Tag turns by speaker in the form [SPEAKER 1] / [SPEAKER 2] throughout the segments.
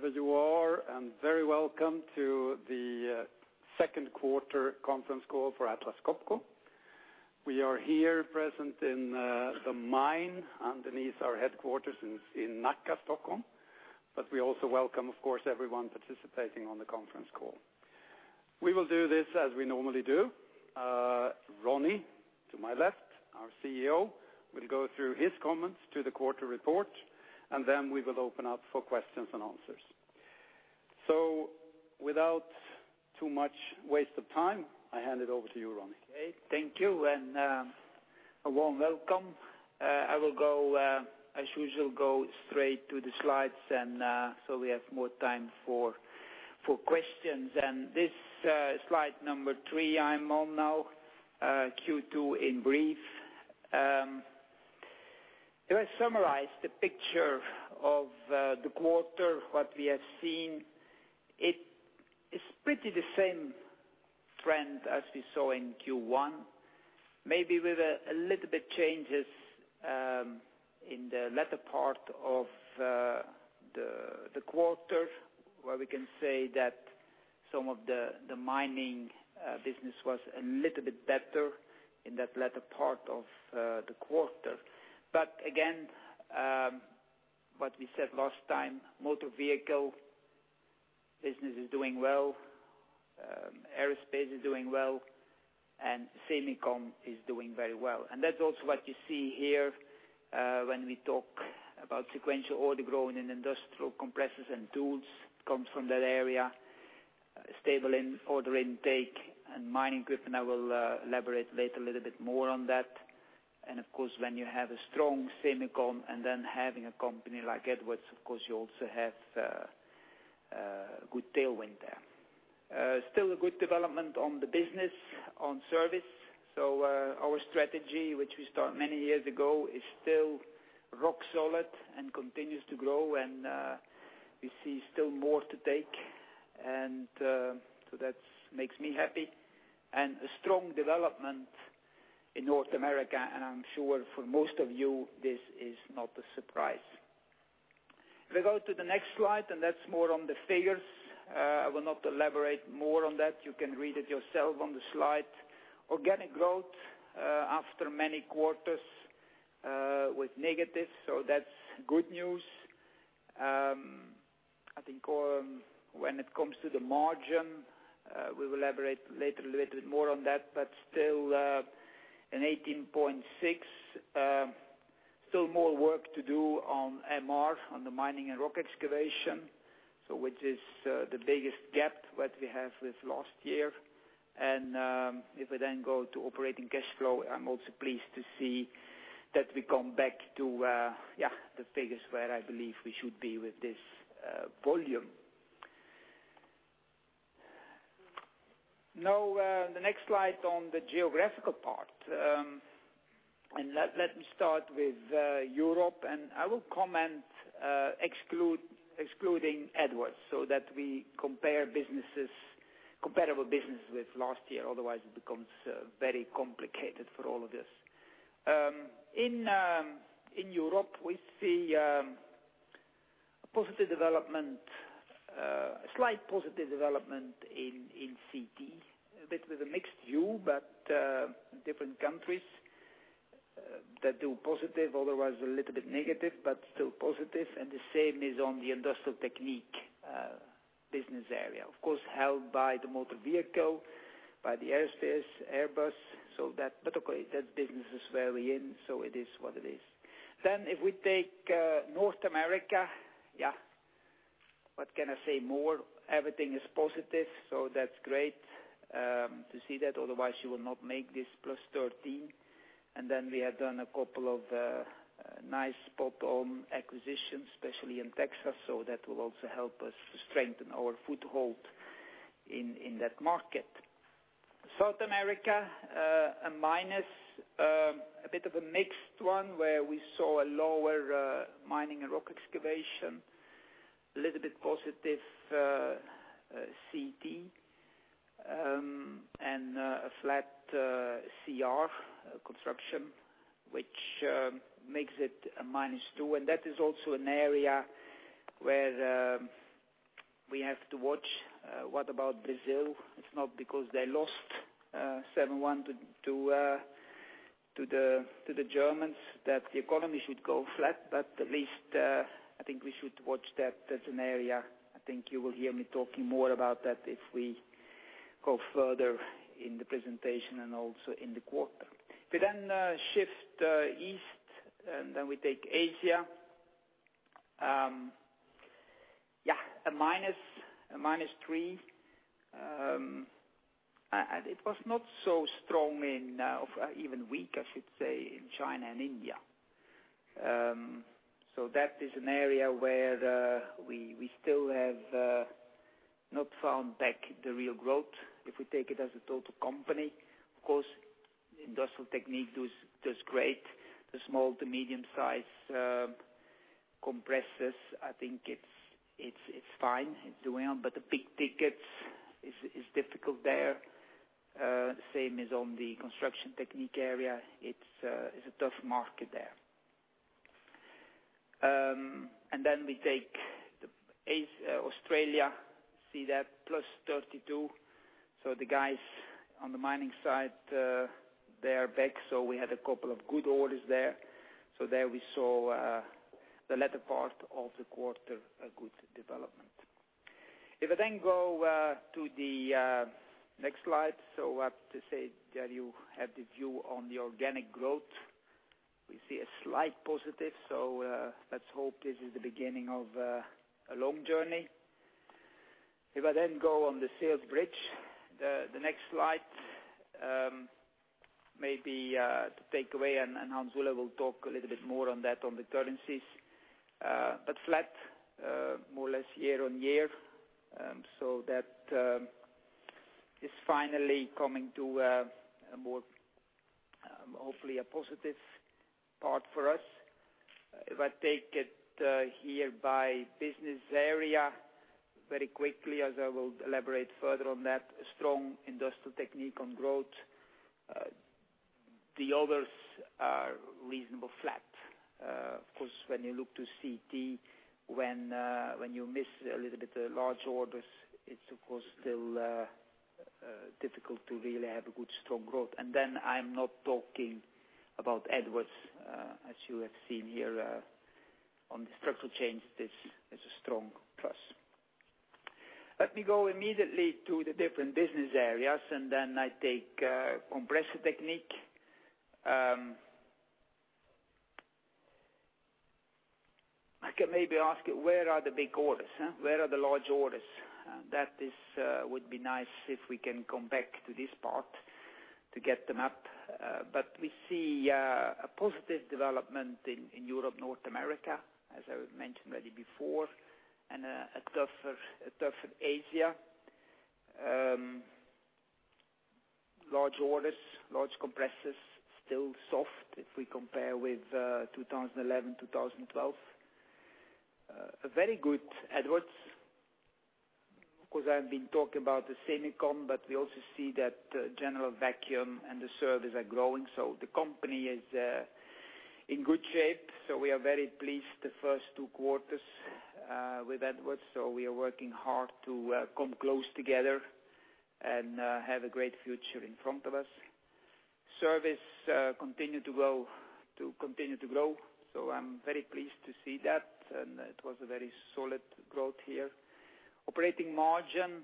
[SPEAKER 1] Good morning, wherever you are, and a very welcome to the second quarter conference call for Atlas Copco. We are here present in the mine underneath our headquarters in Nacka, Stockholm, but we also welcome, of course, everyone participating on the conference call. We will do this as we normally do. Ronnie, to my left, our CEO, will go through his comments to the quarter report, and then we will open up for questions and answers. Without too much waste of time, I hand it over to you, Ronnie.
[SPEAKER 2] Okay. Thank you, and a warm welcome. I will, as usual, go straight to the slides, so we have more time for questions. This, slide number three I'm on now, Q2 in brief. If I summarize the picture of the quarter, what we have seen, it is pretty the same trend as we saw in Q1. Maybe with a little bit changes in the latter part of the quarter, where we can say that some of the mining business was a little bit better in that latter part of the quarter. Again, what we said last time, motor vehicle business is doing well, aerospace is doing well, and semicon is doing very well. That's also what you see here, when we talk about sequential order growth in industrial compressors and tools, it comes from that area. Stable order intake and mining equipment, I will elaborate later a little bit more on that. Of course, when you have a strong semicon and then having a company like Edwards, of course, you also have a good tailwind there. Still a good development on the business on service. Our strategy, which we start many years ago, is still rock solid and continues to grow, and we see still more to take. That makes me happy. A strong development in North America, and I'm sure for most of you, this is not a surprise. If I go to the next slide, that's more on the figures. I will not elaborate more on that. You can read it yourself on the slide. Organic growth, after many quarters, with negative, that's good news. I think when it comes to the margin, we'll elaborate later a little bit more on that, but still, in 18.6%, still more work to do on MR, on the Mining and Rock Excavation. Which is the biggest gap that we have with last year. If I then go to operating cash flow, I'm also pleased to see that we come back to, yeah, the figures where I believe we should be with this volume. The next slide on the geographical part, let me start with Europe, and I will comment excluding Edwards, so that we compare comparable business with last year. Otherwise, it becomes very complicated for all of this. In Europe, we see a positive development, a slight positive development in CT. A bit with a mixed view, but different countries that do positive, otherwise a little bit negative, but still positive, and the same is on the Industrial Technique business area. Of course, held by the motor vehicle, by the aerospace, Airbus. Okay, that business is where we in, so it is what it is. If we take North America, yeah. What can I say more? Everything is positive, that's great to see that. Otherwise, you will not make this +13%. We have done a couple of nice spot on acquisitions, especially in Texas, that will also help us strengthen our foothold in that market. South America, a minus, a bit of a mixed one where we saw a lower Mining and Rock Excavation, a little bit positive CT, and a flat CR, construction, which makes it -2%, and that is also an area where we have to watch. What about Brazil? It's not because they lost 7-1 to the Germans, that the economy should go flat, at least, I think we should watch that as an area. I think you will hear me talking more about that if we go further in the presentation and also in the quarter. We then shift east and we take Asia. Yeah, -3%. It was not so strong in, or even weak, I should say, in China and India. That is an area where we still have not found back the real growth if we take it as a total company. Of course, Industrial Technique does great. The small to medium-size compressors, I think it's fine. It's doing on, the big tickets is difficult there. The same is on the Construction Technique area. It's a tough market there. We take Australia, see that, +32%. The guys on the mining side, they are back, we had a couple of good orders there. There we saw the latter part of the quarter, a good development. I then go to the next slide, I have to say there you have the view on the organic growth. We see a slight positive, let's hope this is the beginning of a long journey. I then go on the sales bridge, the next slide, maybe to take away, and Hans Ola will talk a little bit more on that, on the currencies. Flat more or less year-over-year. That is finally coming to a more, hopefully, a positive part for us. I take it here by business area very quickly, as I will elaborate further on that, strong Industrial Technique on growth. The others are reasonable flat. Of course, when you look to CT, when you miss a little bit large orders, it is of course still difficult to really have a good, strong growth. I'm not talking about Edwards, as you have seen here on the structural change, this is a strong plus. Let me go immediately to the different business areas, I take Compressor Technique. I can maybe ask you, where are the big orders? Where are the large orders? That would be nice if we can come back to this part to get them up. We see a positive development in Europe, North America, as I mentioned already before, and a tougher Asia. Large orders, large compressors, still soft if we compare with 2011, 2012. A very good Edwards. Of course, I've been talking about the semicon, but we also see that general vacuum and the service are growing. The company is in good shape. We are very pleased the first two quarters with Edwards, so we are working hard to come close together and have a great future in front of us. Service continue to grow. I'm very pleased to see that, and it was a very solid growth here. Operating margin,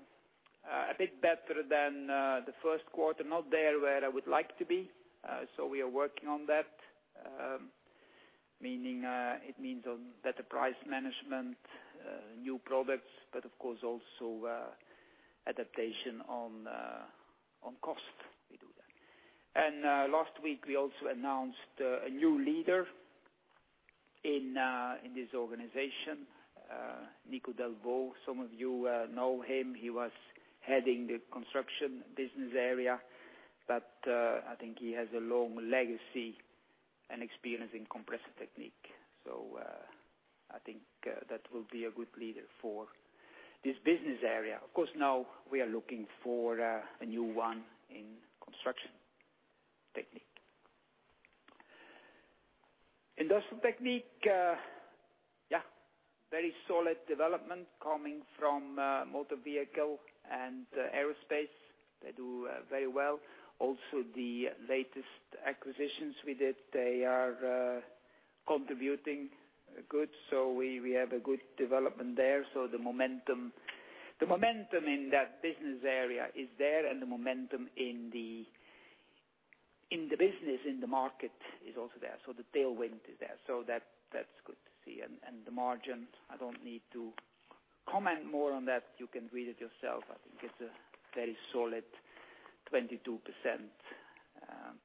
[SPEAKER 2] a bit better than the first quarter. Not there where I would like to be. We are working on that. It means better price management, new products, of course, also adaptation on cost. We do that. Last week, we also announced a new leader in this organization, Nico Delvaux. Some of you know him. He was heading the Construction Technique business area. I think he has a long legacy and experience in Compressor Technique. I think that will be a good leader for this business area. Of course, now we are looking for a new one in Construction Technique. Industrial Technique. Very solid development coming from motor vehicle and aerospace. They do very well. Also, the latest acquisitions we did, they are contributing good. We have a good development there. The momentum in that business area is there, and the momentum in the business, in the market is also there. The tailwind is there. That's good to see. The margin, I don't need to comment more on that. You can read it yourself. I think it's a very solid 22%+,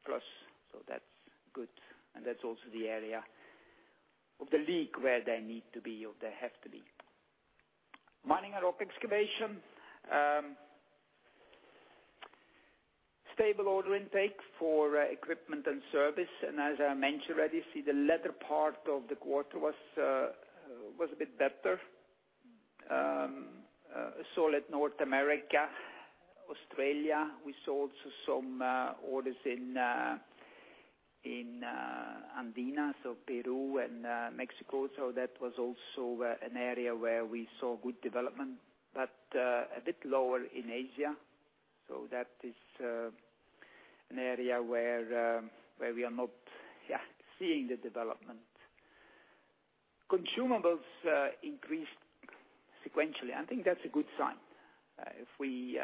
[SPEAKER 2] that's good. That's also the area of the league where they need to be or they have to be. Mining and Rock Excavation Technique. Stable order intake for equipment and service. As I mentioned already, see the latter part of the quarter was a bit better. Solid North America, Australia. We saw also some orders in Andina, Peru and Mexico. That was also an area where we saw good development, but a bit lower in Asia. That is an area where we are not yet seeing the development. Consumables increased sequentially. I think that's a good sign. If we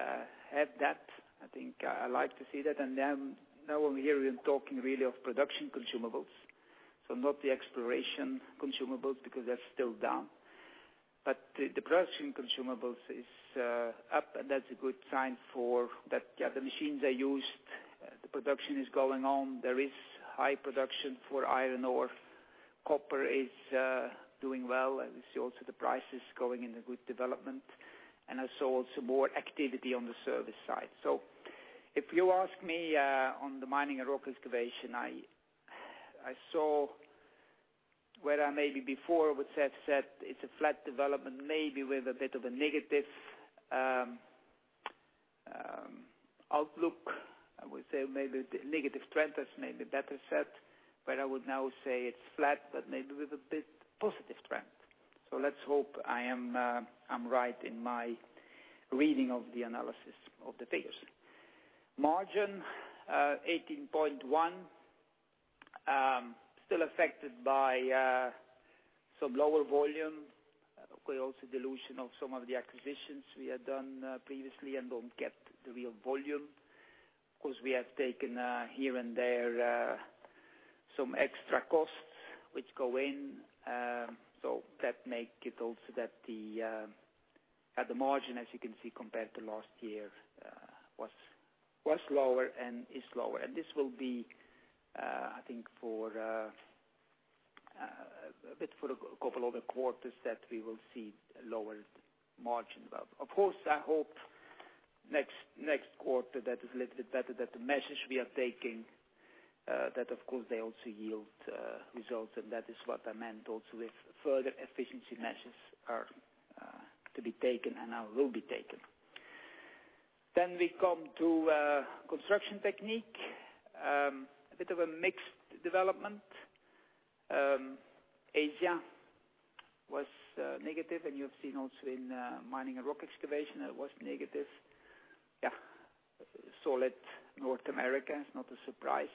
[SPEAKER 2] have that, I think I like to see that. Now here we're talking really of production consumables. Not the exploration consumables, because they're still down. The production consumables is up, and that's a good sign for that the machines are used, the production is going on. There is high production for iron ore. Copper is doing well. We see also the prices going in a good development. I saw also more activity on the service side. If you ask me on the Mining and Rock Excavation Technique, I saw where maybe before I would have said it's a flat development, maybe with a bit of a negative outlook. I would say maybe negative trend is maybe better said, but I would now say it's flat, but maybe with a bit positive trend. Let's hope I'm right in my reading of the analysis of the figures. Margin 18.1%, still affected by some lower volume, but also dilution of some of the acquisitions we had done previously and don't get the real volume. We have taken here and there some extra costs which go in. That make it also that the margin, as you can see compared to last year, was lower and is lower. This will be, I think a bit for a couple other quarters that we will see lower margin. I hope next quarter that is a little bit better. The measures we are taking, that of course they also yield results, and that is what I meant also with further efficiency measures are to be taken and now will be taken. We come to Construction Technique. A bit of a mixed development. Asia was negative, and you have seen also in Mining and Rock Excavation, it was negative. Solid North America is not a surprise.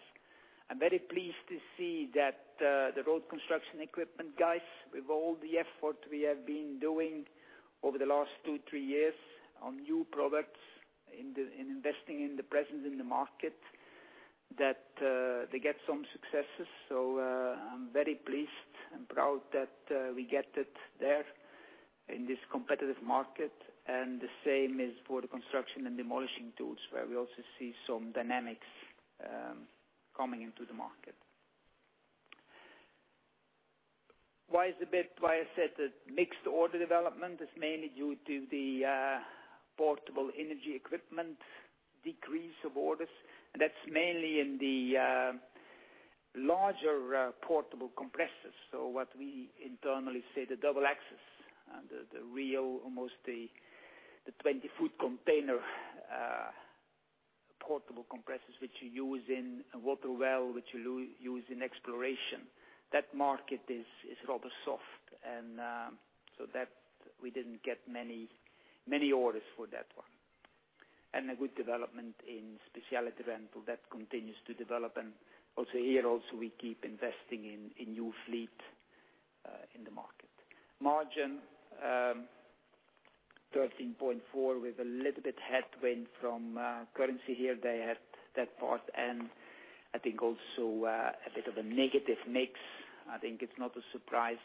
[SPEAKER 2] I'm very pleased to see that the road construction equipment guys, with all the effort we have been doing over the last two, three years on new products, in investing in the presence in the market, that they get some successes. I'm very pleased and proud that we get it there in this competitive market. The same is for the construction and demolition tools, where we also see some dynamics coming into the market. The bit, why I said the mixed order development is mainly due to the Portable Energy equipment decrease of orders, and that's mainly in the larger portable compressors. What we internally say, the double-axle and the real almost the 20-foot container, portable compressors, which you use in water well, which you use in exploration. That market is rather soft. That we didn't get many orders for that one. A good development in Specialty Rental that continues to develop. Also here we keep investing in new fleet in the market. Margin 13.4% with a little bit headwind from currency here. They had that part and I think also a bit of a negative mix. I think it's not a surprise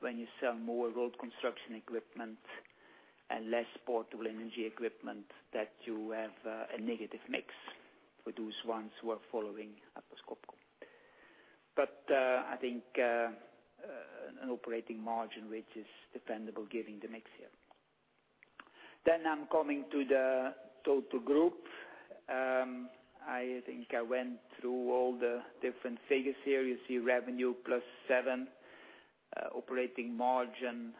[SPEAKER 2] when you sell more road construction equipment and less Portable Energy equipment, that you have a negative mix for those ones who are following Atlas Copco. I think an operating margin which is dependable given the mix here. I'm coming to the total group. I think I went through all the different figures here. You see revenue +7%, operating margin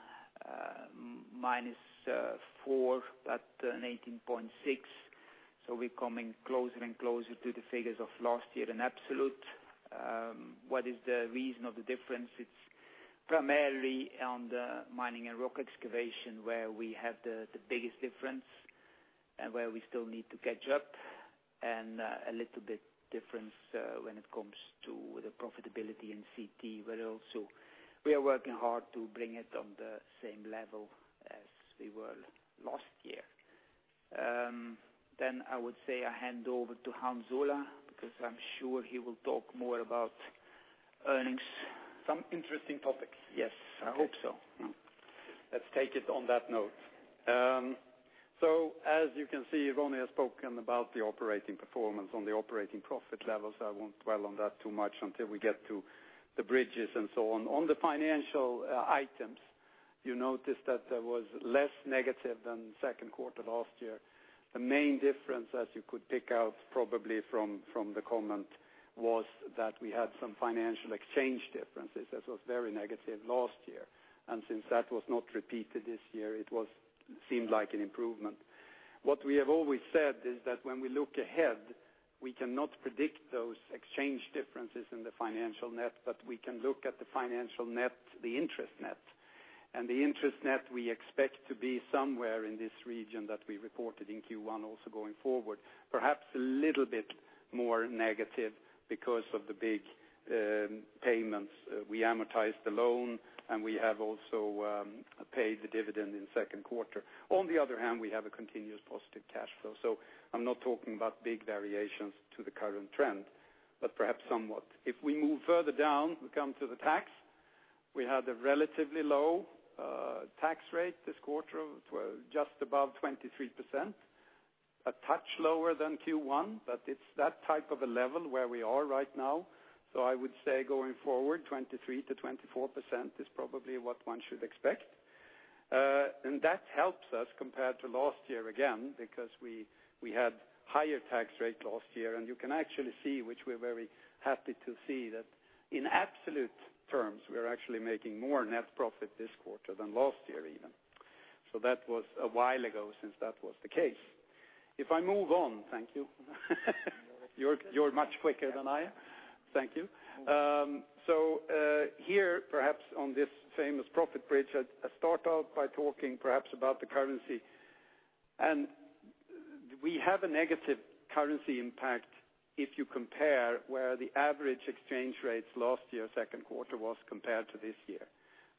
[SPEAKER 2] -4%, but an 18.6%. We're coming closer and closer to the figures of last year in absolute. What is the reason of the difference? It's primarily on the Mining and Rock Excavation where we have the biggest difference and where we still need to catch up, and a little bit difference when it comes to the profitability in CT, but also we are working hard to bring it on the same level as we were last year. I would say I hand over to Hans Ola, because I'm sure he will talk more about earnings.
[SPEAKER 1] Some interesting topics.
[SPEAKER 2] Yes, I hope so.
[SPEAKER 1] Let's take it on that note. As you can see, Ronnie has spoken about the operating performance on the operating profit levels. I won't dwell on that too much until we get to the bridges and so on. On the financial items, you notice that there was less negative than second quarter last year. The main difference, as you could pick out probably from the comment, was that we had some financial exchange differences. That was very negative last year. Since that was not repeated this year, it seemed like an improvement. What we have always said is that when we look ahead, we cannot predict those exchange differences in the financial net, but we can look at the financial net, the interest net. The interest net we expect to be somewhere in this region that we reported in Q1 also going forward. Perhaps a little bit more negative because of the big payments. We amortized the loan, we have also paid the dividend in second quarter. On the other hand, we have a continuous positive cash flow. I'm not talking about big variations to the current trend, but perhaps somewhat. If we move further down, we come to the tax. We had a relatively low tax rate this quarter, just above 23%. A touch lower than Q1, but it's that type of a level where we are right now. I would say going forward, 23%-24% is probably what one should expect. It helps us compared to last year again, because we had higher tax rate last year, you can actually see, which we're very happy to see, that in absolute terms, we are actually making more net profit this quarter than last year even. That was a while ago since that was the case. If I move on. Thank you. You are much quicker than I am. Thank you. Here, perhaps on this famous profit bridge, I start out by talking perhaps about the currency. We have a negative currency impact if you compare where the average exchange rates last year, Q2 was compared to this year.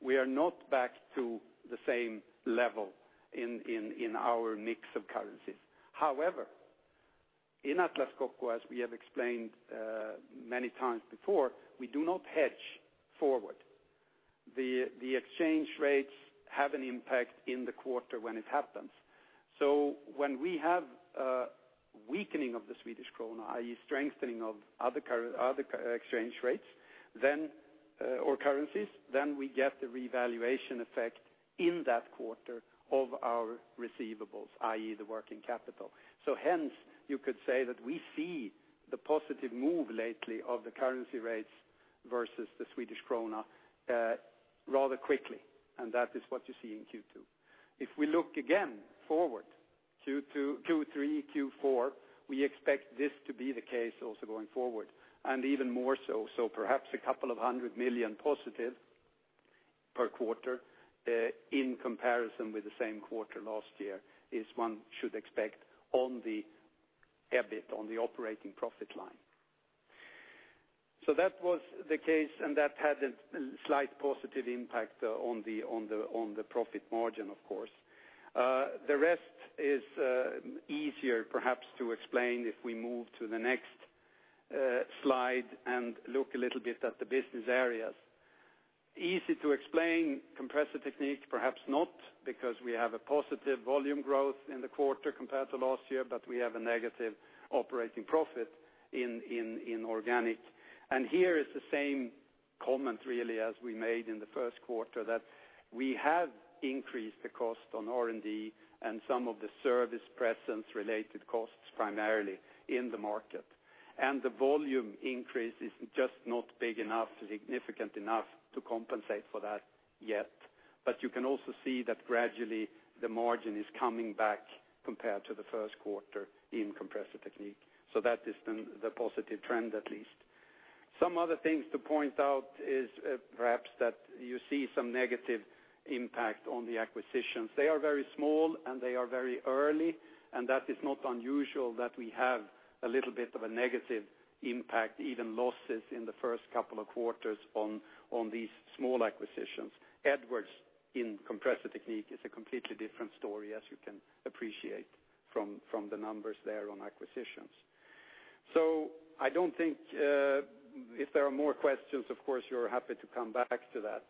[SPEAKER 1] We are not back to the same level in our mix of currencies. However, in Atlas Copco, as we have explained many times before, we do not hedge forward. The exchange rates have an impact in the quarter when it happens. When we have a weakening of the Swedish krona, i.e. strengthening of other exchange rates or currencies, then we get the revaluation effect in that quarter of our receivables, i.e. the working capital. Hence, you could say that we see the positive move lately of the currency rates versus the Swedish krona rather quickly, and that is what you see in Q2. If we look again forward, Q2, Q3, Q4, we expect this to be the case also going forward, and even more so. Perhaps a couple of 200 million positive per quarter, in comparison with the same quarter last year, is one should expect on the EBIT, on the operating profit line. That was the case, and that had a slight positive impact on the profit margin, of course. The rest is easier perhaps to explain if we move to the next slide and look a little bit at the business areas. Easy to explain, Compressor Technique perhaps not because we have a positive volume growth in the quarter compared to last year, but we have a negative operating profit in organic. Here is the same comment, really, as we made in Q1, that we have increased the cost on R&D and some of the service presence-related costs, primarily in the market. The volume increase is just not big enough, significant enough to compensate for that yet. You can also see that gradually the margin is coming back compared to Q1 in Compressor Technique. That is the positive trend, at least. Some other things to point out is perhaps that you see some negative impact on the acquisitions. They are very small, and they are very early, and that is not unusual that we have a little bit of a negative impact, even losses in the first couple of quarters on these small acquisitions. Edwards in Compressor Technique is a completely different story, as you can appreciate from the numbers there on acquisitions. If there are more questions, of course, we are happy to come back to that.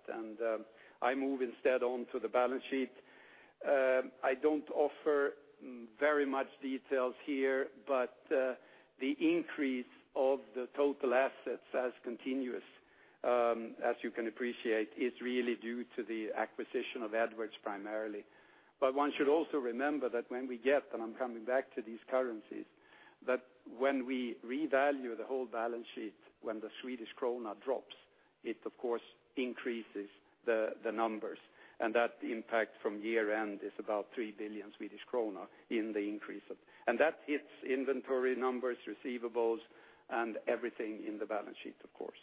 [SPEAKER 1] I move instead onto the balance sheet. I don't offer very much details here, but the increase of the total assets as continuous, as you can appreciate, is really due to the acquisition of Edwards primarily. One should also remember that when we get, and I am coming back to these currencies, that when we revalue the whole balance sheet, when the Swedish krona drops, it of course increases the numbers. That impact from year-end is about 3 billion Swedish kronor in the increase. That hits inventory numbers, receivables, and everything in the balance sheet, of course.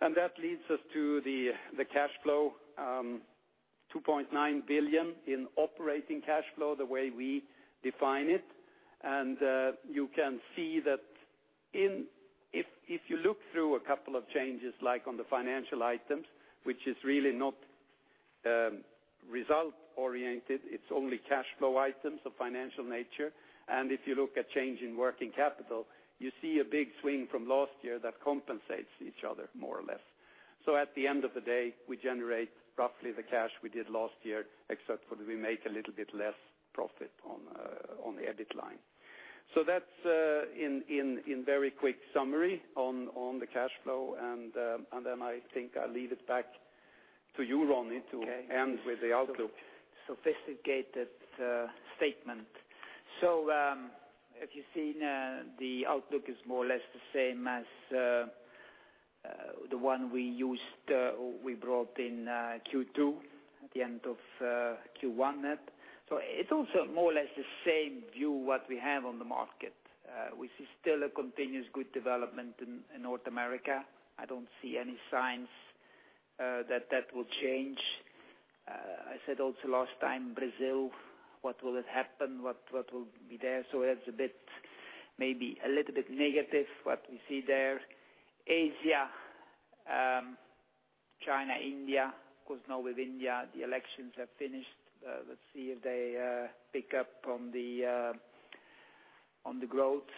[SPEAKER 1] That leads us to the cash flow, 2.9 billion in operating cash flow, the way we define it. You can see that if you look through a couple of changes like on the financial items, which is really not result-oriented, it is only cash flow items of financial nature. If you look at change in working capital, you see a big swing from last year that compensates each other more or less. At the end of the day, we generate roughly the cash we did last year, except for that we make a little bit less profit on the EBIT line. That's in very quick summary on the cash flow, then I think I'll leave it back to you, Ronnie, to end with the outlook.
[SPEAKER 2] Sophisticated statement. As you've seen, the outlook is more or less the same as the one we used, we brought in Q2, at the end of Q1. It's also more or less the same view what we have on the market. We see still a continuous good development in North America. I don't see any signs that that will change. I said also last time, Brazil, what will happen, what will be there. It's maybe a little bit negative what we see there. Asia, China, India, of course now with India, the elections have finished. Let's see if they pick up on the growth.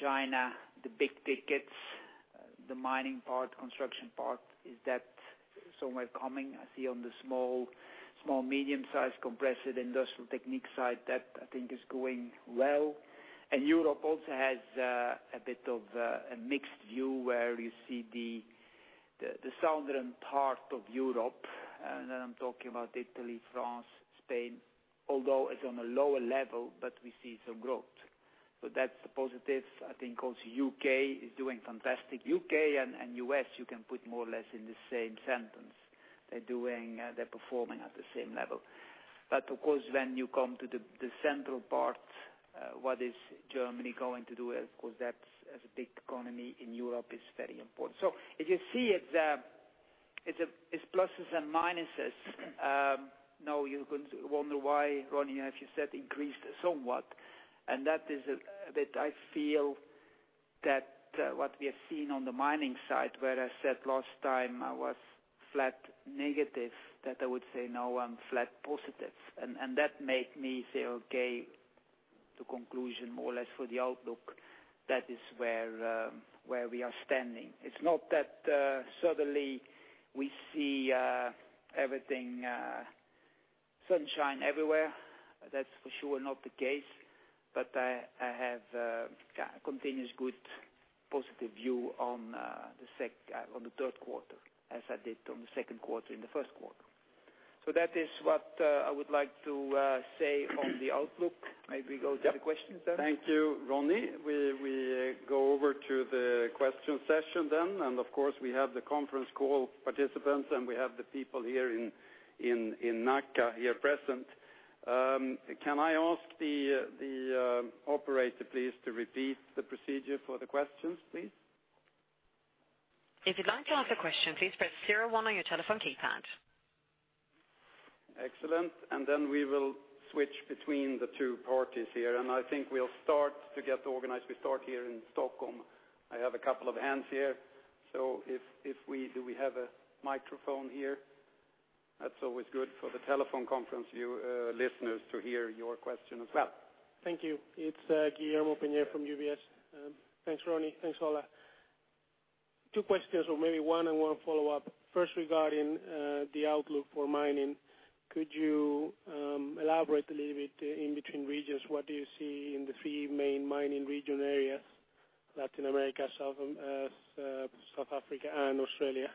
[SPEAKER 2] China, the big tickets, the Mining part, Construction part, is that somewhere coming? I see on the small, medium size compressor, Industrial Technique side, that I think is going well. Europe also has a bit of a mixed view where you see the southern part of Europe, I'm talking about Italy, France, Spain, although it's on a lower level, but we see some growth. That's the positive. I think also U.K. is doing fantastic. U.K. and U.S., you can put more or less in the same sentence. They're performing at the same level. Of course, when you come to the central part, what is Germany going to do? Of course, that's a big economy, Europe is very important. As you see, it's pluses and minuses. Now you could wonder why, Ronnie, as you said, increased somewhat, and that is a bit, I feel that what we have seen on the mining side, where I said last time I was flat negative, that I would say now I'm flat positive, and that made me say, okay, to conclusion more or less for the outlook, that is where we are standing. It's not that suddenly we see everything sunshine everywhere. That's for sure not the case. I have a continuous good positive view on the third quarter as I did on the second quarter and the first quarter. That is what I would like to say on the outlook. Maybe go to the questions then.
[SPEAKER 1] Thank you, Ronnie. We go over to the question session then. Of course, we have the conference call participants, and we have the people here in Nacka here present. Can I ask the operator please to repeat the procedure for the questions, please?
[SPEAKER 3] If you'd like to ask a question, please press 01 on your telephone keypad.
[SPEAKER 1] Excellent. We will switch between the two parties here. I think we'll start to get organized. We start here in Stockholm. I have a couple of hands here. Do we have a microphone here? That's always good for the telephone conference listeners to hear your question as well.
[SPEAKER 4] Thank you. It's Guillermo Peigneux from UBS. Thanks, Ronnie. Thanks, Ola. Two questions, or maybe one and one follow-up. First, regarding the outlook for mining, could you elaborate a little bit in between regions, what do you see in the three main mining region areas, Latin America, South Africa, and Australia?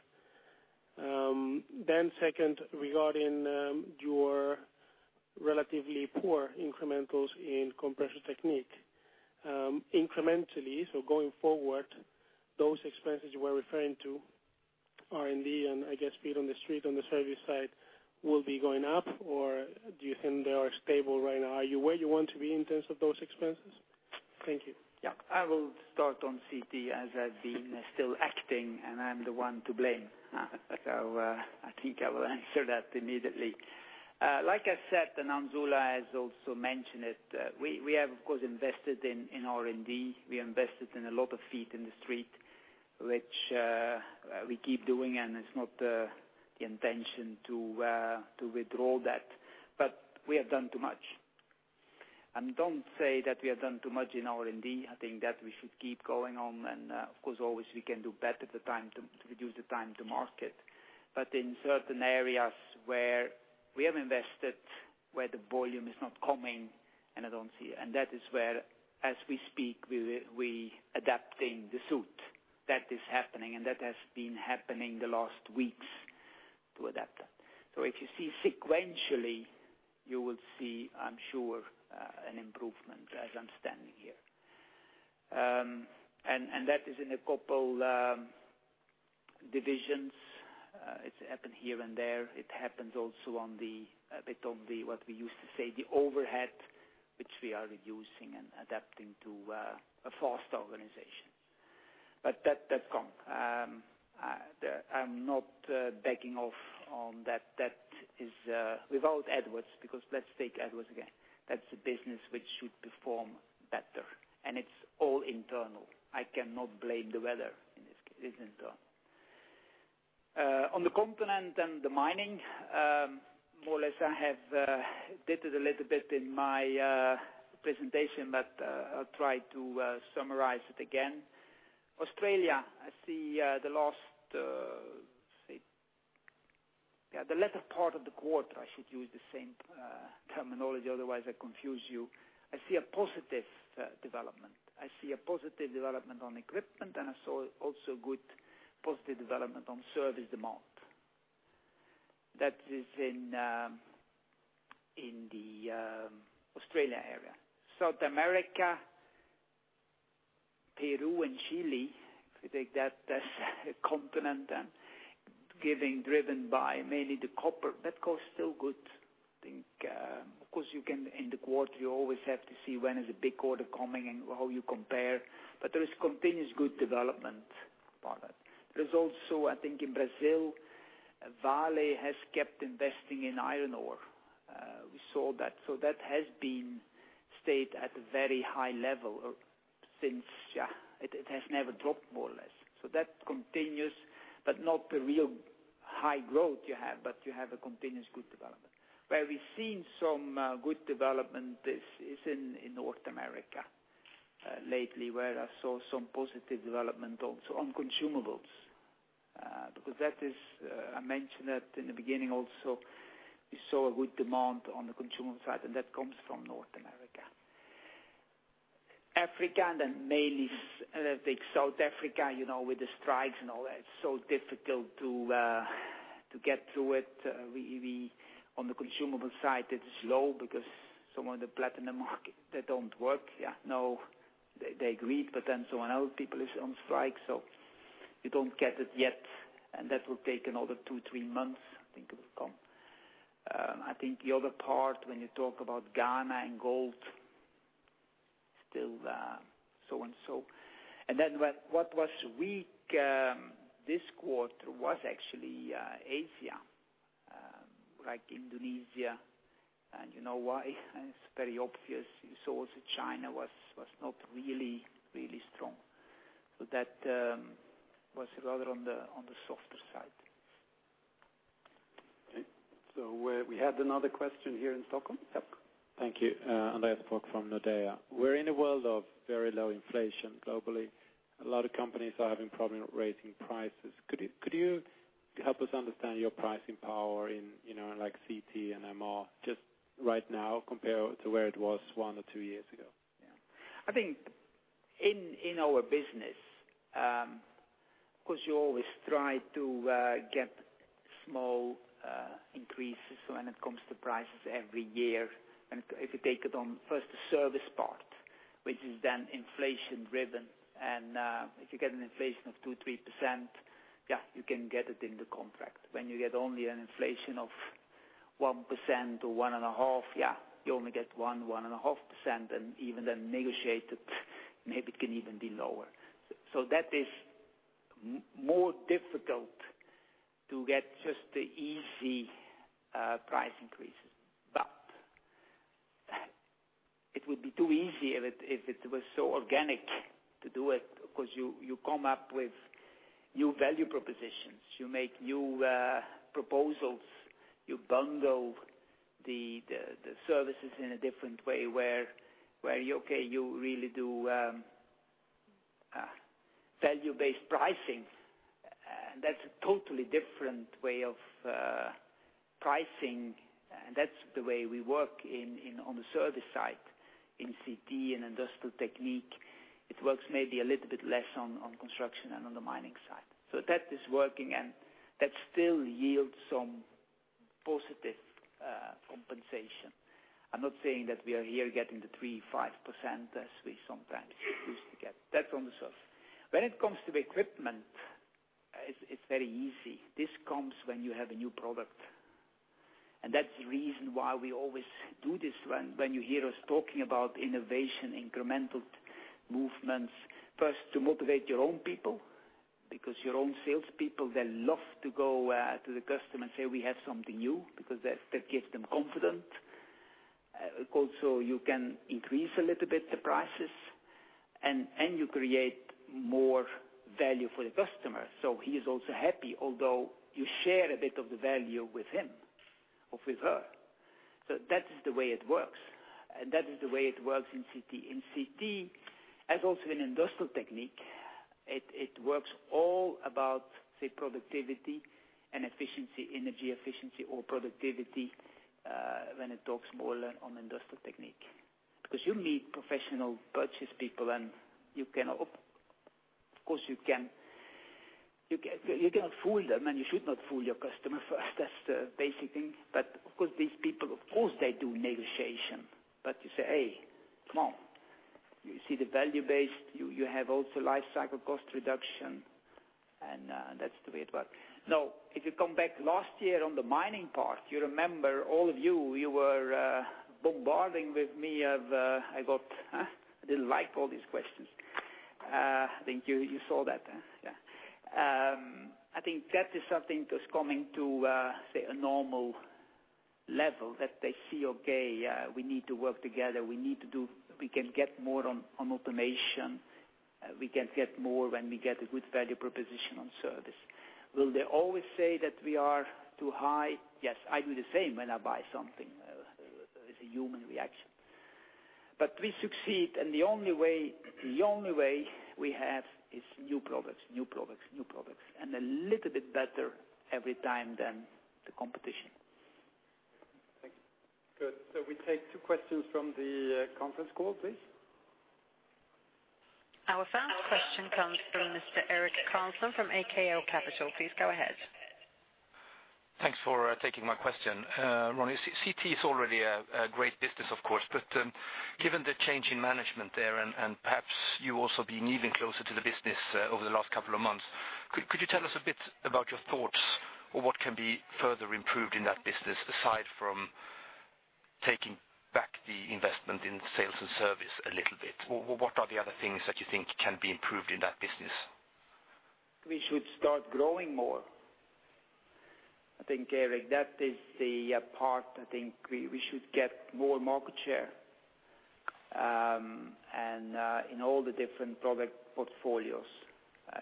[SPEAKER 4] Second, regarding your relatively poor incrementals in Compressor Technique. Incrementally, so going forward, those expenses you were referring to, R&D and I guess feet on the street on the service side, will be going up or do you think they are stable right now? Are you where you want to be in terms of those expenses? Thank you.
[SPEAKER 2] Yeah. I will start on CT as I've been still acting, and I'm the one to blame. I think I will answer that immediately. Like I said, and then Ola has also mentioned it, we have, of course, invested in R&D. We invested in a lot of feet in the street, which we keep doing, and it's not the intention to withdraw that. We have done too much. Don't say that we have done too much in R&D. I think that we should keep going on, and of course, always we can do better the time to reduce the time to market. In certain areas where we have invested, where the volume is not coming, and I don't see it. That is where as we speak, we adapting the suit. That is happening, and that has been happening the last weeks to adapt that. If you see sequentially, you will see, I'm sure, an improvement as I'm standing here. That is in a couple divisions. It's happened here and there. It happens also on a bit of the, what we used to say, the overhead, which we are reducing and adapting to a faster organization. That come. I'm not backing off on that. That is without Edwards, because let's take Edwards again. That's a business which should perform better, and it's all internal. I cannot blame the weather in this case. It is internal. On the continent and the mining, more or less I have did it a little bit in my presentation, I'll try to summarize it again. Australia, I see the last, say, yeah, the latter part of the quarter, I should use the same terminology, otherwise I confuse you. I see a positive development. I see a positive development on equipment, and I saw also good positive development on service demand. That is in the Australia area. South America, Peru, and Chile, if you take that as a component and giving driven by mainly the copper, that goes still good. I think, of course you can, in the quarter, you always have to see when is a big order coming and how you compare, but there is continuous good development on it. There's also, I think in Brazil, Vale has kept investing in iron ore. We saw that. That has been stayed at a very high level since it has never dropped more or less. That continuous, not a real high growth you have, you have a continuous good development. Where we've seen some good development is in North America. Lately, where I saw some positive development also on consumables. I mentioned that in the beginning also, we saw a good demand on the consumable side, and that comes from North America. Africa, mainly South Africa, with the strikes and all that, it's so difficult to get through it. On the consumable side, it is low because some of the platinum market, they don't work. They agreed, someone else, people is on strike, you don't get it yet, that will take another 2, 3 months, I think it will come. I think the other part, when you talk about Ghana and gold, still so and so. What was weak this quarter was actually Asia, like Indonesia. You know why? It's very obvious. You saw also China was not really, really strong. That was rather on the softer side.
[SPEAKER 1] Okay. We had another question here in Stockholm. Yep.
[SPEAKER 5] Thank you. Andreas Koski from Nordea. We're in a world of very low inflation globally. A lot of companies are having problem with raising prices. Could you help us understand your pricing power in CT and MR just right now compared to where it was 1 or 2 years ago?
[SPEAKER 2] Yeah. I think in our business, of course, you always try to get small increases when it comes to prices every year. If you take it on first the service part, which is then inflation driven, if you get an inflation of 2%, 3%, yeah, you can get it in the contract. When you get only an inflation of 1%-1.5%, yeah, you only get 1%, 1.5%, and even then negotiated, maybe it can even be lower. That is more difficult to get just the easy price increases. It would be too easy if it was so organic to do it, because you come up with new value propositions, you make new proposals, you bundle the services in a different way where you really do value-based pricing. That's a totally different way of pricing, and that's the way we work on the service side, in CT and Industrial Technique. It works maybe a little bit less on Construction and on the Mining side. That is working, and that still yields some positive compensation. I'm not saying that we are here getting the 3%, 5% as we sometimes used to get. That's on the service. When it comes to the equipment, it's very easy. This comes when you have a new product. That's the reason why we always do this one. When you hear us talking about innovation, incremental movements, first to motivate your own people, because your own salespeople, they love to go to the customer and say, "We have something new," because that gives them confidence. You can increase a little bit the prices, and you create more value for the customer. He is also happy, although you share a bit of the value with him or with her. That is the way it works. That is the way it works in CT. In CT, as also in Industrial Technique, it works all about, say, productivity and efficiency, energy efficiency or productivity when it talks more on Industrial Technique. You meet professional purchase people, and you cannot fool them, and you should not fool your customer first. That's the basic thing. These people, of course, they do negotiation. You say, "Hey, come on." You see the value-based, you have also life cycle cost reduction, and that's the way it works. If you come back last year on the mining part, you remember, all of you were bombarding with me of, I got, "Huh?" I didn't like all these questions. I think you saw that. I think that is something that's coming to, say, a normal level that they see, okay, we need to work together. We can get more on automation. We can get more when we get a good value proposition on service. Will they always say that we are too high? Yes. I do the same when I buy something. It's a human reaction. We succeed, and the only way we have is new products, new products, new products. A little bit better every time than the competition.
[SPEAKER 1] Thank you. Good. We take two questions from the conference call, please.
[SPEAKER 3] Our first question comes from Mr. Eric Carlson from AKL Capital. Please go ahead.
[SPEAKER 6] Thanks for taking my question. Ronnie, CT is already a great business, of course, but given the change in management there, and perhaps you also being even closer to the business over the last couple of months, could you tell us a bit about your thoughts on what can be further improved in that business, aside from taking back the investment in sales and service a little bit? What are the other things that you think can be improved in that business?
[SPEAKER 2] We should start growing more. I think, Eric, that is the part, I think we should get more market share in all the different product portfolios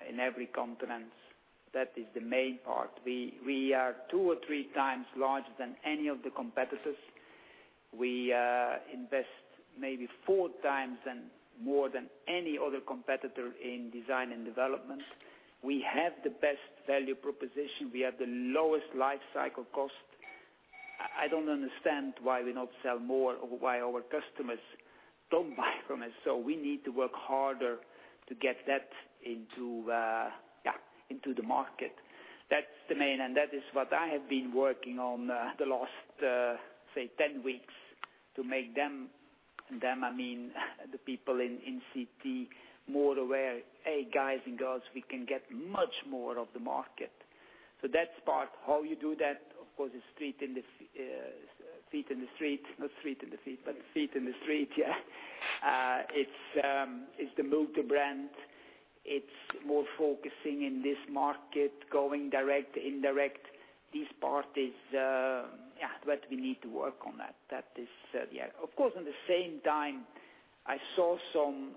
[SPEAKER 2] In every continent, that is the main part. We are two or three times larger than any of the competitors. We invest maybe four times more than any other competitor in design and development. We have the best value proposition. We have the lowest life cycle cost. I don't understand why we not sell more, or why our customers don't buy from us. We need to work harder to get that into the market. That's the main, and that is what I have been working on the last, say, 10 weeks to make them, I mean, the people in CT, more aware, "Hey, guys and girls, we can get much more of the market." That part, how you do that, of course, is feet in the street. It's the multi-brand. It's more focusing in this market, going direct, indirect. This part is what we need to work on that. Of course, in the same time, I saw some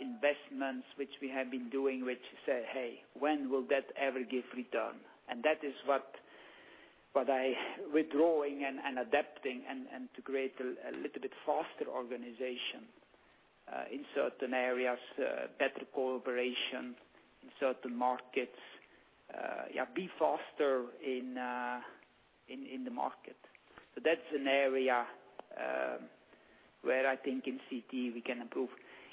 [SPEAKER 2] investments which we have been doing, which say, "Hey, when will that ever give return?" That is what I withdrawing and adapting and to create a little bit faster organization, in certain areas, better cooperation in certain markets, be faster in the market. That's an area where I think in CT we can improve.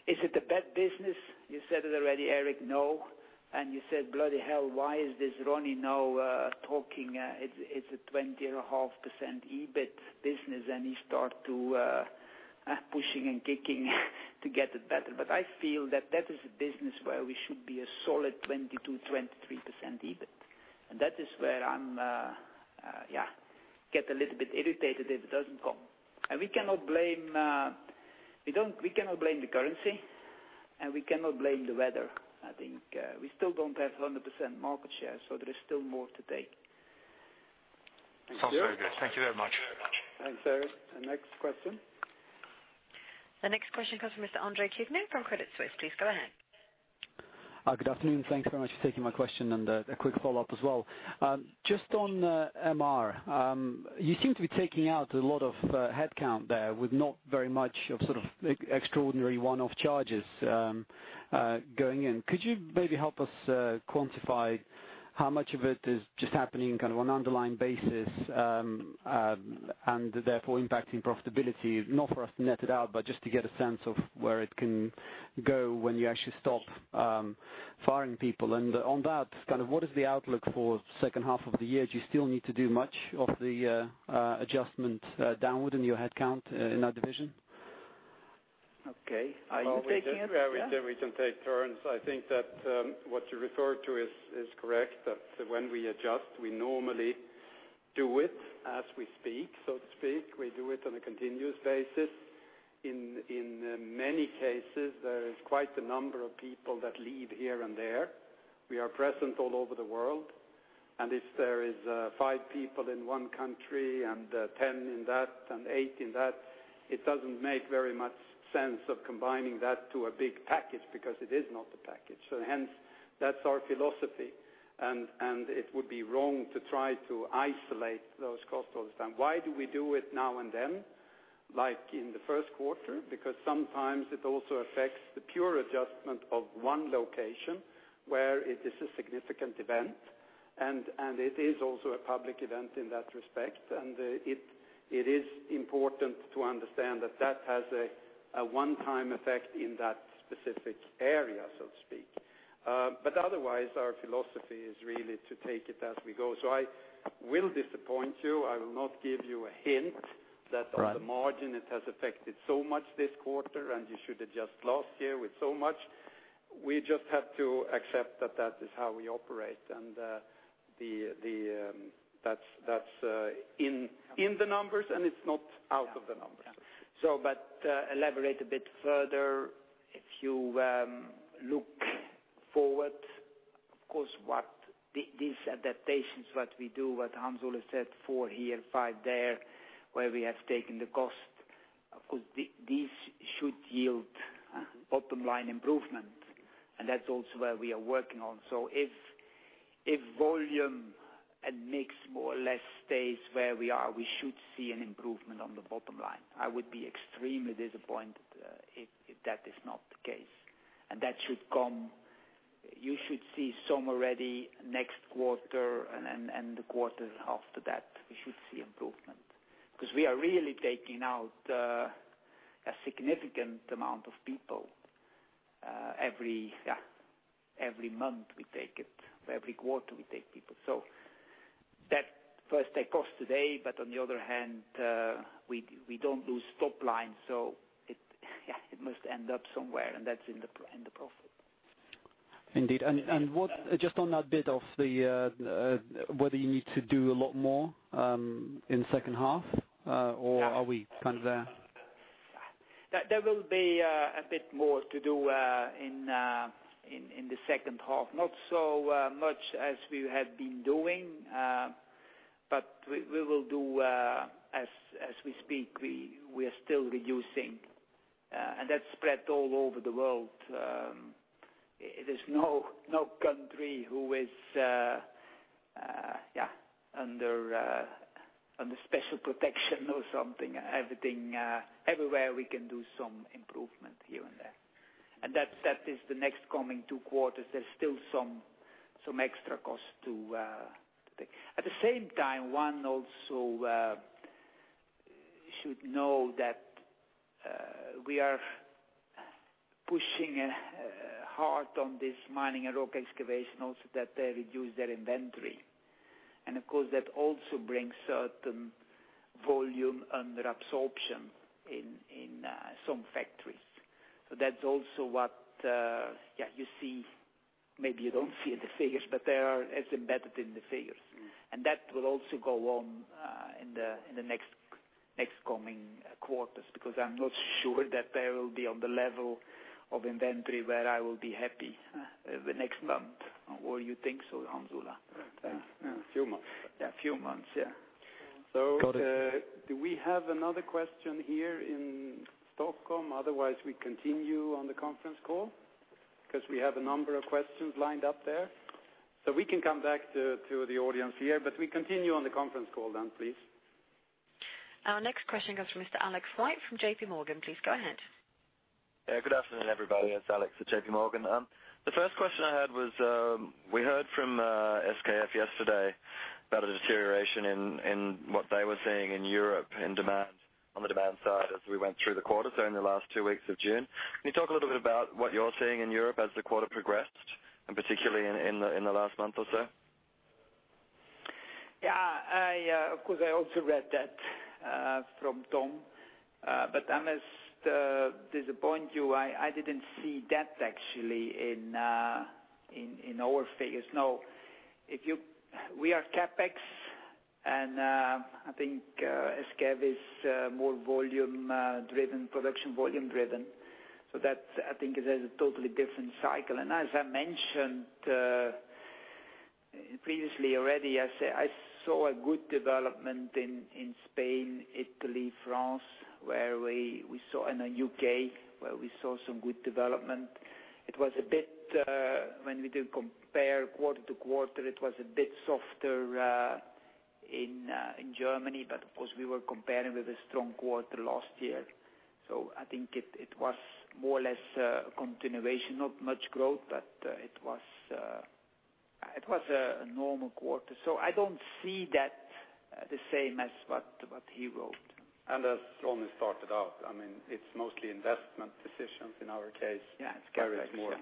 [SPEAKER 2] Is it a bad business? You said it already, Eric. No. You said, "Bloody hell, why is this Ronnie now talking? It's a 20.5% EBIT business," and he start to pushing and kicking to get it better. I feel that that is a business where we should be a solid 22, 23% EBIT. That is where I get a little bit irritated if it doesn't come. We cannot blame the currency, and we cannot blame the weather, I think. We still don't have 100% market share, there is still more to take.
[SPEAKER 6] Sounds very good. Thank you very much.
[SPEAKER 2] Thanks, Eric. The next question.
[SPEAKER 3] The next question comes from Mr. Andre Kukhnin from Crédit Suisse. Please go ahead.
[SPEAKER 7] Good afternoon. Thanks very much for taking my question, and a quick follow-up as well. Just on MR, you seem to be taking out a lot of headcount there with not very much of extraordinary one-off charges going in. Could you maybe help us quantify how much of it is just happening on an underlying basis, and therefore impacting profitability? Not for us to net it out, but just to get a sense of where it can go when you actually stop firing people. What is the outlook for second half of the year? Do you still need to do much of the adjustment downward in your headcount in that division?
[SPEAKER 2] Okay. Are you taking it? Yeah.
[SPEAKER 1] We can take turns. I think that what you refer to is correct, that when we adjust, we normally do it as we speak, so to speak. We do it on a continuous basis. In many cases, there is quite a number of people that leave here and there. We are present all over the world, and if there is five people in one country and 10 in that and eight in that, it doesn't make very much sense of combining that to a big package, because it is not a package. Hence, that's our philosophy, and it would be wrong to try to isolate those costs all the time. Why do we do it now and then, like in the first quarter? Sometimes it also affects the pure adjustment of one location where it is a significant event, and it is also a public event in that respect. It is important to understand that that has a one-time effect in that specific area, so to speak. Otherwise, our philosophy is really to take it as we go. I will disappoint you. I will not give you a hint that on the margin it has affected so much this quarter, and you should adjust last year with so much. We just have to accept that that is how we operate, and that's in the numbers, and it's not out of the numbers.
[SPEAKER 2] To elaborate a bit further, if you look forward, of course, these adaptations, what we do, what Hans Ola said, four here, five there, where we have taken the cost, of course, these should yield bottom line improvement, that's also where we are working on. If volume and mix more or less stays where we are, we should see an improvement on the bottom line. I would be extremely disappointed if that is not the case. That should come. You should see some already next quarter and the quarter after that. We should see improvement, because we are really taking out a significant amount of people every month we take it, every quarter we take people. That first take cost today, but on the other hand, we don't lose top line, so it must end up somewhere, and that's in the profit.
[SPEAKER 7] Indeed. Just on that bit of whether you need to do a lot more in the second half or are we kind of there?
[SPEAKER 2] There will be a bit more to do in the second half, not so much as we have been doing. We will do as we speak. We are still reducing, that's spread all over the world. There's no country who is under special protection or something. Everywhere we can do some improvement here and there. That is the next coming two quarters. There's still some extra costs to take. At the same time, one also should know that we are pushing hard on this Mining and Rock Excavation also that they reduce their inventory. Of course, that also brings certain volume under absorption in some factories. That's also what you see. Maybe you don't see it in the figures, but it's embedded in the figures. That will also go on in the next coming quarters, because I'm not sure that they will be on the level of inventory where I will be happy the next month. Or you think so, Hans Ola?
[SPEAKER 1] Right. A few months.
[SPEAKER 2] Yeah, a few months, yeah.
[SPEAKER 1] Got it.
[SPEAKER 2] Do we have another question here in Stockholm? Otherwise, we continue on the conference call, because we have a number of questions lined up there. We can come back to the audience here, but we continue on the conference call then, please.
[SPEAKER 3] Our next question comes from Mr. Alex White from JPMorgan. Please go ahead.
[SPEAKER 8] Good afternoon, everybody. It's Alex at JPMorgan. The first question I had was, we heard from SKF yesterday about a deterioration in what they were seeing in Europe on the demand side as we went through the quarter, so in the last two weeks of June. Can you talk a little bit about what you're seeing in Europe as the quarter progressed, and particularly in the last month or so?
[SPEAKER 2] Of course, I also read that from Tom, but I must disappoint you. I didn't see that actually in our figures, no. We are CapEx and I think SKF is more production volume driven. That, I think, is a totally different cycle. As I mentioned previously already, I saw a good development in Spain, Italy, France, and in U.K., where we saw some good development. When we do compare quarter to quarter, it was a bit softer in Germany. Of course, we were comparing with a strong quarter last year. I think it was more or less a continuation of much growth, but it was a normal quarter. I don't see that the same as what he wrote.
[SPEAKER 1] As Tom has started out, it's mostly investment decisions in our case.
[SPEAKER 2] Yeah, it's CapEx.
[SPEAKER 1] Ours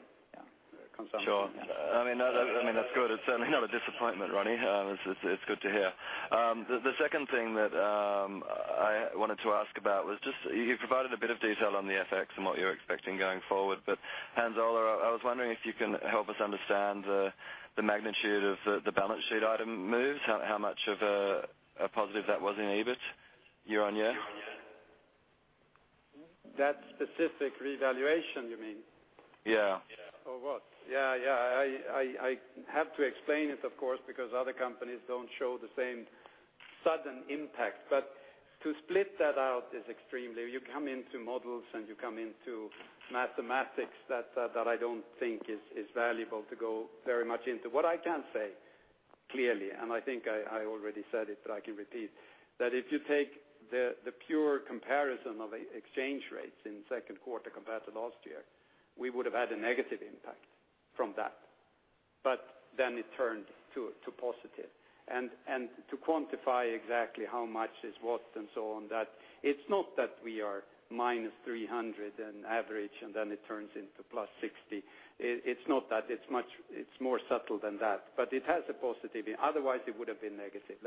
[SPEAKER 1] is more consumption.
[SPEAKER 8] Sure. That's good. It's certainly not a disappointment, Ronny. It's good to hear. The second thing that I wanted to ask about was just, you provided a bit of detail on the FX and what you're expecting going forward, but Hans Ola, I was wondering if you can help us understand the magnitude of the balance sheet item moves, how much of a positive that was in EBIT year-on-year?
[SPEAKER 1] That specific revaluation, you mean?
[SPEAKER 8] Yeah.
[SPEAKER 1] Or what? Yeah. I have to explain it, of course, because other companies don't show the same sudden impact. To split that out is extremely. You come into models, and you come into mathematics that I don't think is valuable to go very much into. What I can say, clearly, and I think I already said it, but I can repeat, that if you take the pure comparison of exchange rates in second quarter compared to last year, we would have had a negative impact from that. Then it turned to positive. To quantify exactly how much is what and so on, it's not that we are -300 in average and then it turns into +60. It's not that. It's more subtle than that. It has a positivity, otherwise, it would have been negative.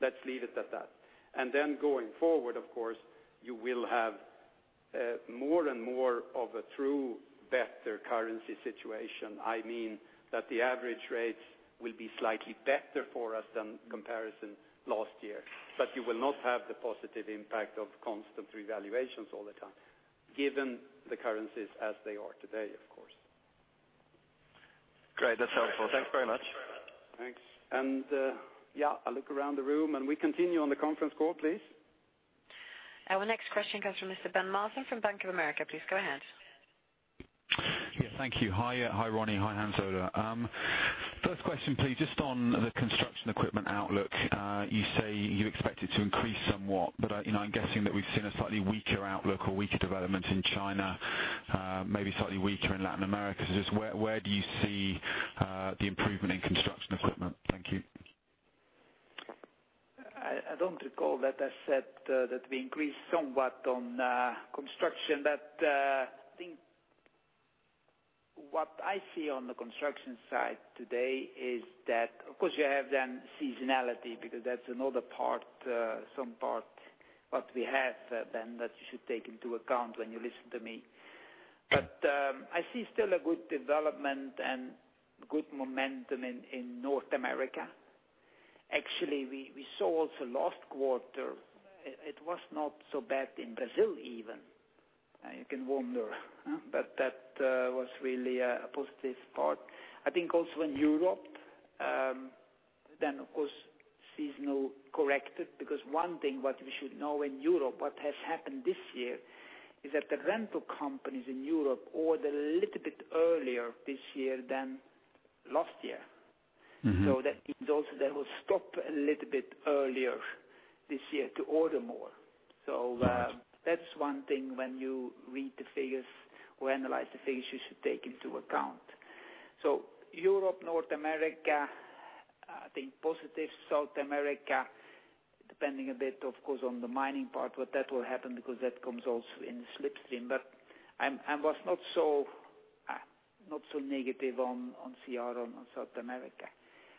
[SPEAKER 1] Let's leave it at that. Going forward, of course, you will have more and more of a true better currency situation. I mean that the average rates will be slightly better for us than comparison last year, but you will not have the positive impact of constant revaluations all the time, given the currencies as they are today, of course.
[SPEAKER 8] Great. That's helpful. Thanks very much.
[SPEAKER 1] Thanks. I look around the room. We continue on the conference call, please.
[SPEAKER 3] Our next question comes from Mr. Ben Mosen from Bank of America. Please go ahead.
[SPEAKER 9] Yeah. Thank you. Hi, Ronnie. Hi, Hans Ola. First question, please, just on the Construction Technique outlook. You say you expect it to increase somewhat, I'm guessing that we've seen a slightly weaker outlook or weaker development in China, maybe slightly weaker in Latin America. Just where do you see the improvement in Construction Technique? Thank you.
[SPEAKER 2] I don't recall that I said that we increased somewhat on Construction Technique. I think what I see on the Construction Technique side today is that, of course, you have then seasonality, because that's another part, some part what we have then that you should take into account when you listen to me. I see still a good development and good momentum in North America. Actually, we saw also last quarter it was not so bad in Brazil even. You can wonder, but that was really a positive part. I think also in Europe, then of course seasonal corrected, because one thing what we should know in Europe, what has happened this year is that the rental companies in Europe ordered a little bit earlier this year than last year. That means also they will stop a little bit earlier this year to order more.
[SPEAKER 9] Right.
[SPEAKER 2] That's one thing when you read the figures or analyze the figures you should take into account. Europe, North America, I think positive South America, depending a bit of course on the mining part, what that will happen because that comes also in the slipstream. I was not so negative on CR on South America.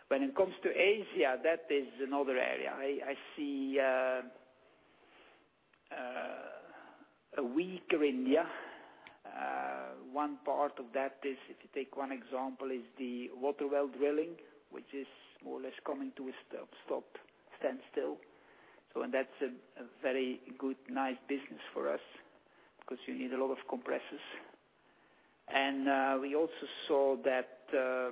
[SPEAKER 2] When it comes to Asia, that is another area. I see a weaker India. One part of that is, if you take one example, is the water well drilling, which is more or less coming to a stop, standstill. That's a very good nice business for us because you need a lot of compressors. We also saw that the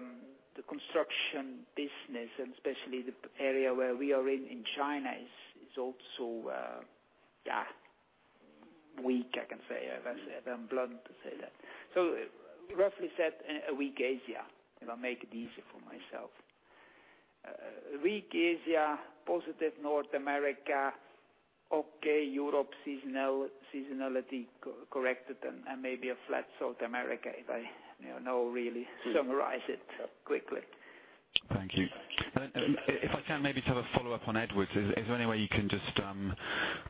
[SPEAKER 2] construction business and especially the area where we are in China is also weak, I can say. If I'm blunt to say that. Roughly said, a weak Asia, if I make it easier for myself. A weak Asia, positive North America, okay Europe, seasonality corrected, and maybe a flat South America, if I now really summarize it quickly.
[SPEAKER 9] Thank you. If I can maybe have a follow-up on Edwards. Is there any way you can just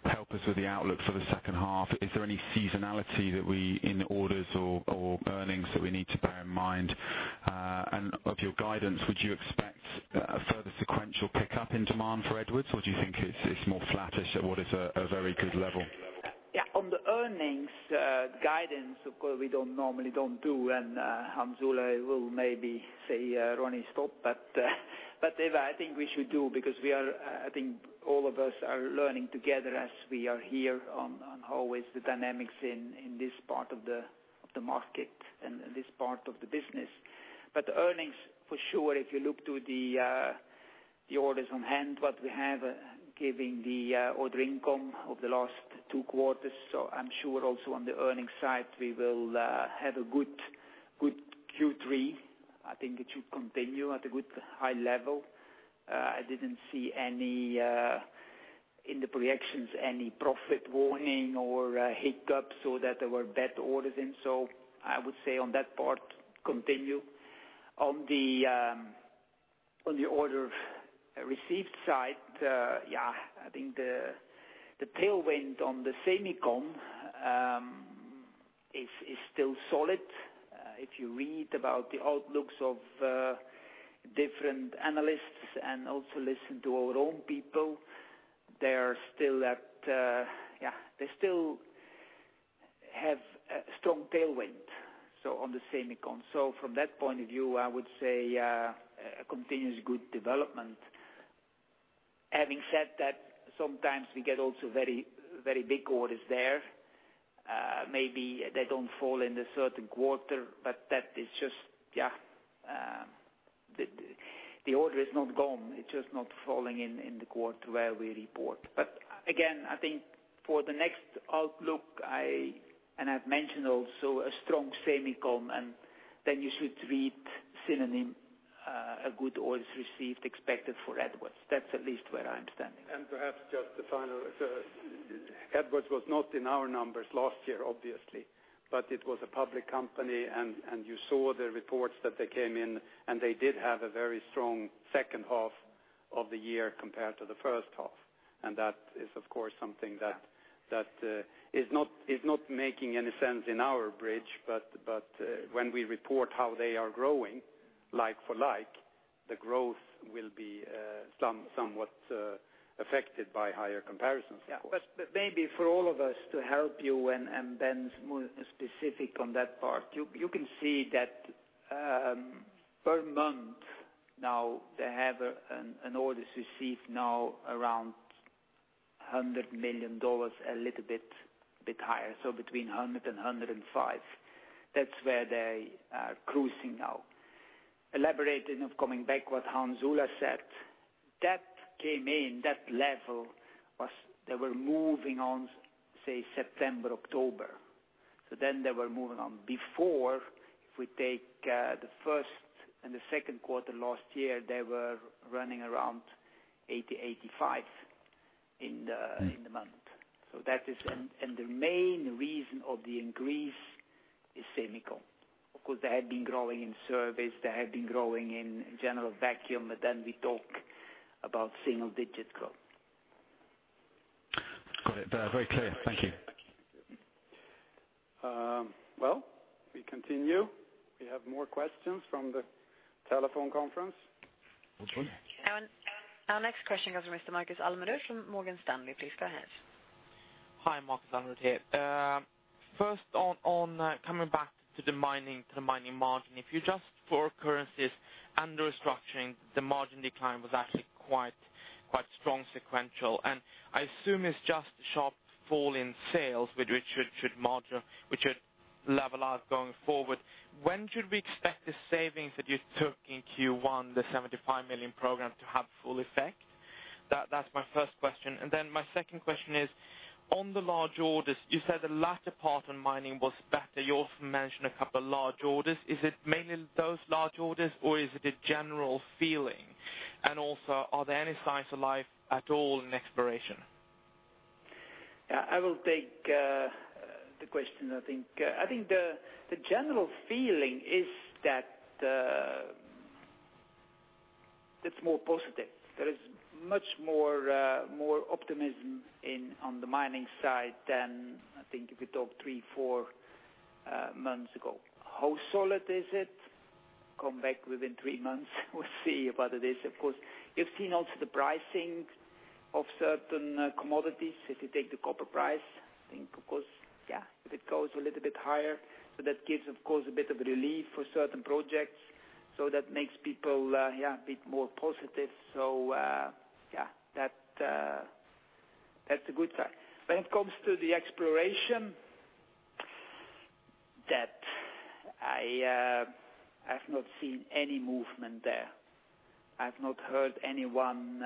[SPEAKER 9] help us with the outlook for the second half? Is there any seasonality that we, in the orders or earnings, that we need to bear in mind? Of your guidance, would you expect a further sequential pickup in demand for Edwards, or do you think it's more flattish at what is a very good level?
[SPEAKER 2] Yeah. On the earnings guidance, of course, we normally don't do. Hans Ola will maybe say, "Ronnie, stop." Eva, I think we should do because I think all of us are learning together as we are here on how is the dynamics in this part of the market and this part of the business. Earnings, for sure, if you look to the orders on hand, what we have given the order income of the last two quarters. I'm sure also on the earnings side, we will have a good Q3. I think it should continue at a good high level. I didn't see, in the projections, any profit warning or hiccup so that there were bad orders in. I would say on that part, continue. On the order of received side, yeah, I think the tailwind on the semicon is still solid. If you read about the outlooks of different analysts and also listen to our own people, they still have a strong tailwind, on the semicon. From that point of view, I would say a continuous good development. Having said that, sometimes we get also very big orders there. Maybe they don't fall in a certain quarter, but the order is not gone, it's just not falling in the quarter where we report. Again, I think for the next outlook, and I've mentioned also a strong semicon, then you should read synonym, a good orders received expected for Edwards. That's at least where I'm standing.
[SPEAKER 1] Perhaps just the final. Edwards was not in our numbers last year, obviously, but it was a public company, and you saw the reports that they came in, and they did have a very strong second half of the year compared to the first half. That is, of course, something that is not making any sense in our bridge, but when we report how they are growing like for like, the growth will be somewhat affected by higher comparisons, of course.
[SPEAKER 2] Maybe for all of us to help you and Ben's more specific on that part. You can see that per month now they have an orders received now around $100 million, a little bit higher. Between 100 and 105. That's where they are cruising now. Elaborating of coming back what Hans Ola said. That came in, that level, they were moving on, say, September, October. Then they were moving on. Before, if we take the first and the second quarter last year, they were running around 80, 85 in the month. The main reason of the increase is semicon. Of course, they had been growing in service. They had been growing in general vacuum, but then we talk about single-digit growth.
[SPEAKER 9] Got it. Very clear. Thank you.
[SPEAKER 1] Well, we continue. We have more questions from the telephone conference.
[SPEAKER 3] [inaudible] Our next question comes from Mr. Marcus Almerud from Morgan Stanley. Please go ahead.
[SPEAKER 10] Hi, Marcus Almerud here. First on coming back to the mining margin. If you adjust for currencies and the restructuring, the margin decline was actually quite strong sequential. I assume it's just a sharp fall in sales, which should level out going forward. When should we expect the savings that you took in Q1, the 75 million program, to have full effect? That's my first question. My second question is, on the large orders, you said the latter part on mining was better. You also mentioned a couple large orders. Is it mainly those large orders or is it a general feeling? And also, are there any signs of life at all in exploration?
[SPEAKER 2] Yeah, I will take the question, I think. I think the general feeling is that it's more positive. There is much more optimism on the mining side than, I think, if you talk three, four months ago. How solid is it? Come back within three months, we'll see whether it is. Of course, you've seen also the pricing of certain commodities. If you take the copper price, I think of course, yeah, if it goes a little bit higher, that gives, of course, a bit of relief for certain projects. That makes people a bit more positive. Yeah. That's a good sign. When it comes to the exploration, I have not seen any movement there. I've not heard anyone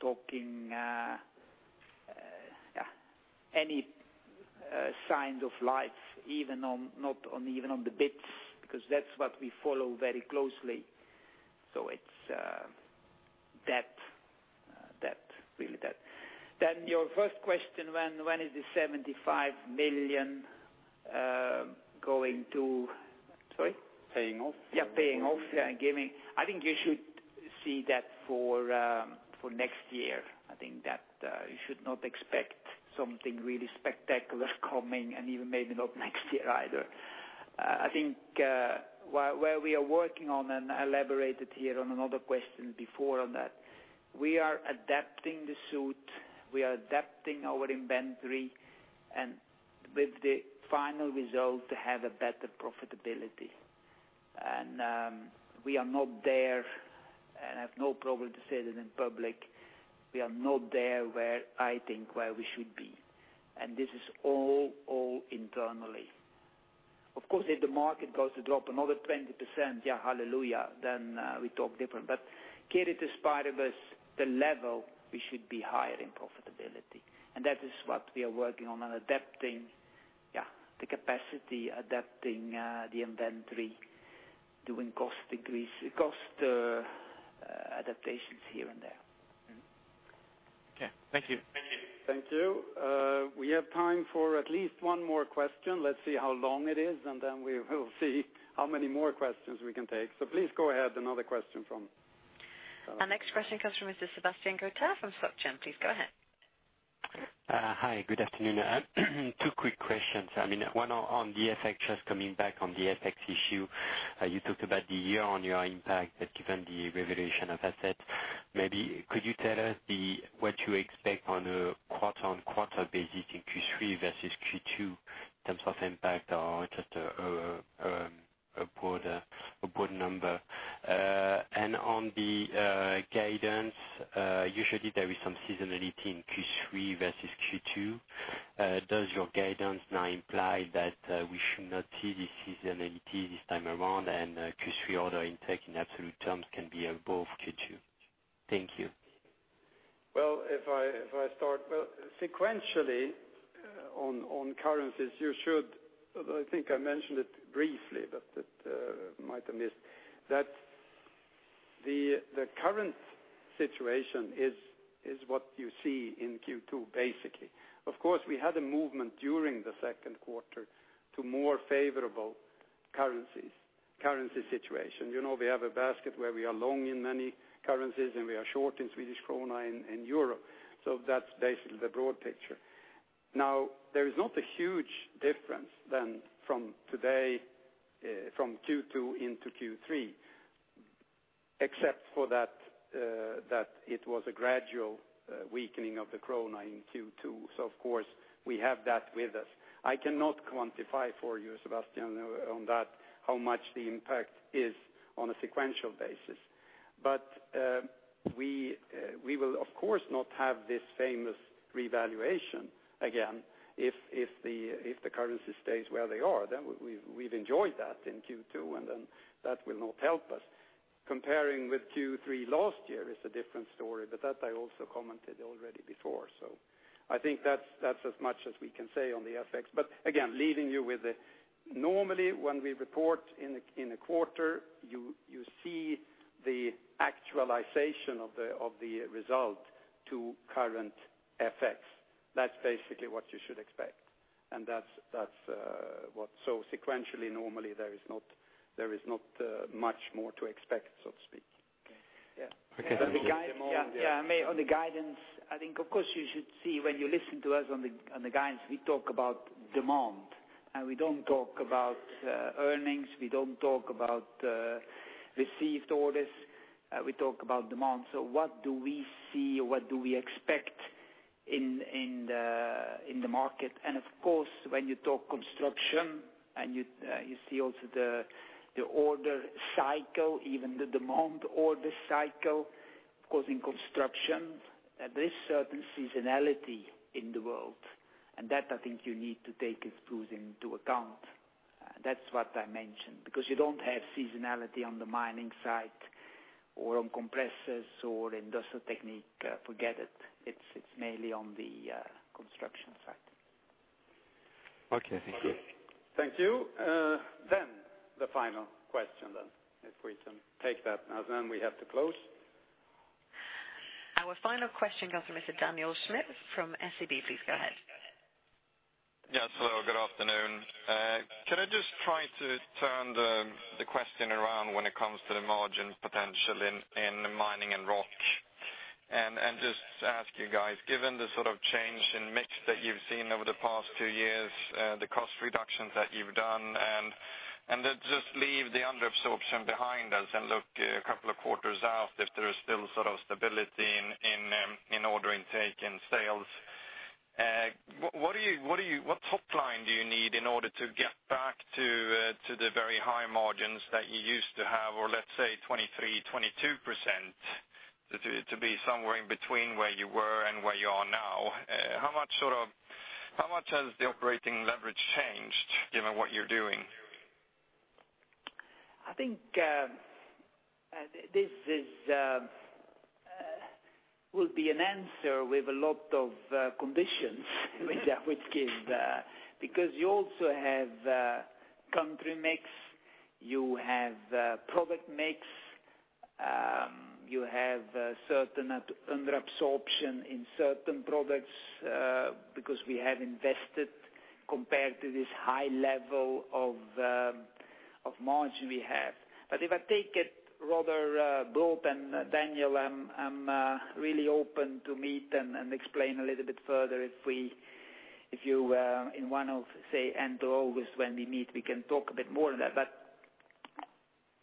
[SPEAKER 2] talking, any signs of life, even on the bids, because that's what we follow very closely. It's dead. Really dead. Your first question, when is the 75 million going to Sorry?
[SPEAKER 10] Paying off.
[SPEAKER 2] Yeah, paying off, yeah. I think you should see that for next year. I think that you should not expect something really spectacular coming, and even maybe not next year either. I think where we are working on, and I elaborated here on another question before on that, we are adapting the suit. We are adapting our inventory and with the final result to have a better profitability. We are not there, and I have no problem to say it in public, we are not there where I think where we should be. This is all internally. Of course, if the market goes to drop another 20%, yeah, hallelujah, then we talk different. Ceteris paribus, the level we should be higher in profitability. That is what we are working on and adapting the capacity, adapting the inventory, doing cost adaptations here and there.
[SPEAKER 10] Okay. Thank you.
[SPEAKER 1] Thank you. We have time for at least one more question. Let's see how long it is, then we will see how many more questions we can take. Please go ahead, another question from-
[SPEAKER 3] Our next question comes from Mr. Sebastian Gruter from SocGen. Please go ahead.
[SPEAKER 11] Hi, good afternoon. Two quick questions. One on the FX, just coming back on the FX issue. You talked about the year-on-year impact, given the revaluation of assets, maybe could you tell us what you expect on a quarter-on-quarter basis in Q3 versus Q2 in terms of impact or just a broader number? On the guidance, usually there is some seasonality in Q3 versus Q2. Does your guidance now imply that we should not see the seasonality this time around, Q3 order intake in absolute terms can be above Q2? Thank you.
[SPEAKER 1] Well, if I start sequentially on currencies, you should, although I think I mentioned it briefly, but might have missed, that the current situation is what you see in Q2, basically. Of course, we had a movement during the second quarter to more favorable currency situation. We have a basket where we are long in many currencies, and we are short in Swedish krona and euro. That's basically the broad picture. There is not a huge difference than from today, from Q2 into Q3, except for that it was a gradual weakening of the krona in Q2. Of course, we have that with us. I cannot quantify for you, Sebastian, on that, how much the impact is on a sequential basis. We will, of course, not have this famous revaluation again, if the currency stays where they are, then we've enjoyed that in Q2, and then that will not help us. Comparing with Q3 last year is a different story, but that I also commented already before. I think that's as much as we can say on the FX. Again, leaving you with normally when we report in a quarter, you see the actualization of the result to current FX. That's basically what you should expect. Sequentially, normally, there is not much more to expect, so to speak.
[SPEAKER 11] Okay.
[SPEAKER 1] Yeah.
[SPEAKER 2] On the guidance, I think, of course, you should see when you listen to us on the guidance, we talk about demand, we don't talk about earnings. We don't talk about received orders. We talk about demand. What do we see or what do we expect in the market. Of course, when you talk construction and you see also the order cycle, even the demand order cycle, of course, in construction, there is certain seasonality in the world. That I think you need to take into account. That's what I mentioned, because you don't have seasonality on the mining side or on compressors or Industrial Technique. Forget it. It's mainly on the construction side.
[SPEAKER 11] Okay, thank you.
[SPEAKER 1] Thank you. The final question, if we can take that now, we have to close.
[SPEAKER 3] Our final question comes from Mr. Daniel Schmidt from SEB. Please go ahead.
[SPEAKER 12] Yes, hello, good afternoon. Can I just try to turn the question around when it comes to the margin potential in Mining and Rock? Just ask you guys, given the sort of change in mix that you've seen over the past two years, the cost reductions that you've done, then just leave the under absorption behind us and look a couple of quarters out, if there is still sort of stability in order intake and sales. What top line do you need in order to get back to the very high margins that you used to have, or let's say 23%, 22%, to be somewhere in between where you were and where you are now? How much has the operating leverage changed given what you're doing?
[SPEAKER 2] I think this will be an answer with a lot of conditions which is, because you also have country mix, you have product mix, you have certain under absorption in certain products, because we have invested compared to this high level of margin we have. If I take it rather bulk, Daniel, I'm really open to meet and explain a little bit further if you, say, end of August when we meet, we can talk a bit more on that. I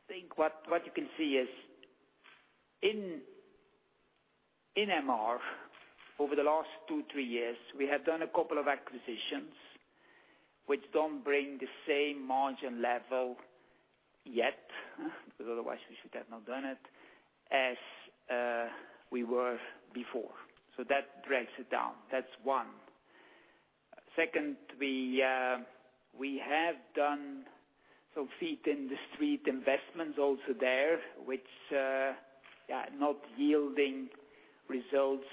[SPEAKER 2] think what you can see is in MR, over the last two, three years, we have done a couple of acquisitions, which don't bring the same margin level yet, because otherwise we should have not done it, as we were before. That drags it down. That's one. Second, we have done some feet in the street investments also there, which are not yielding results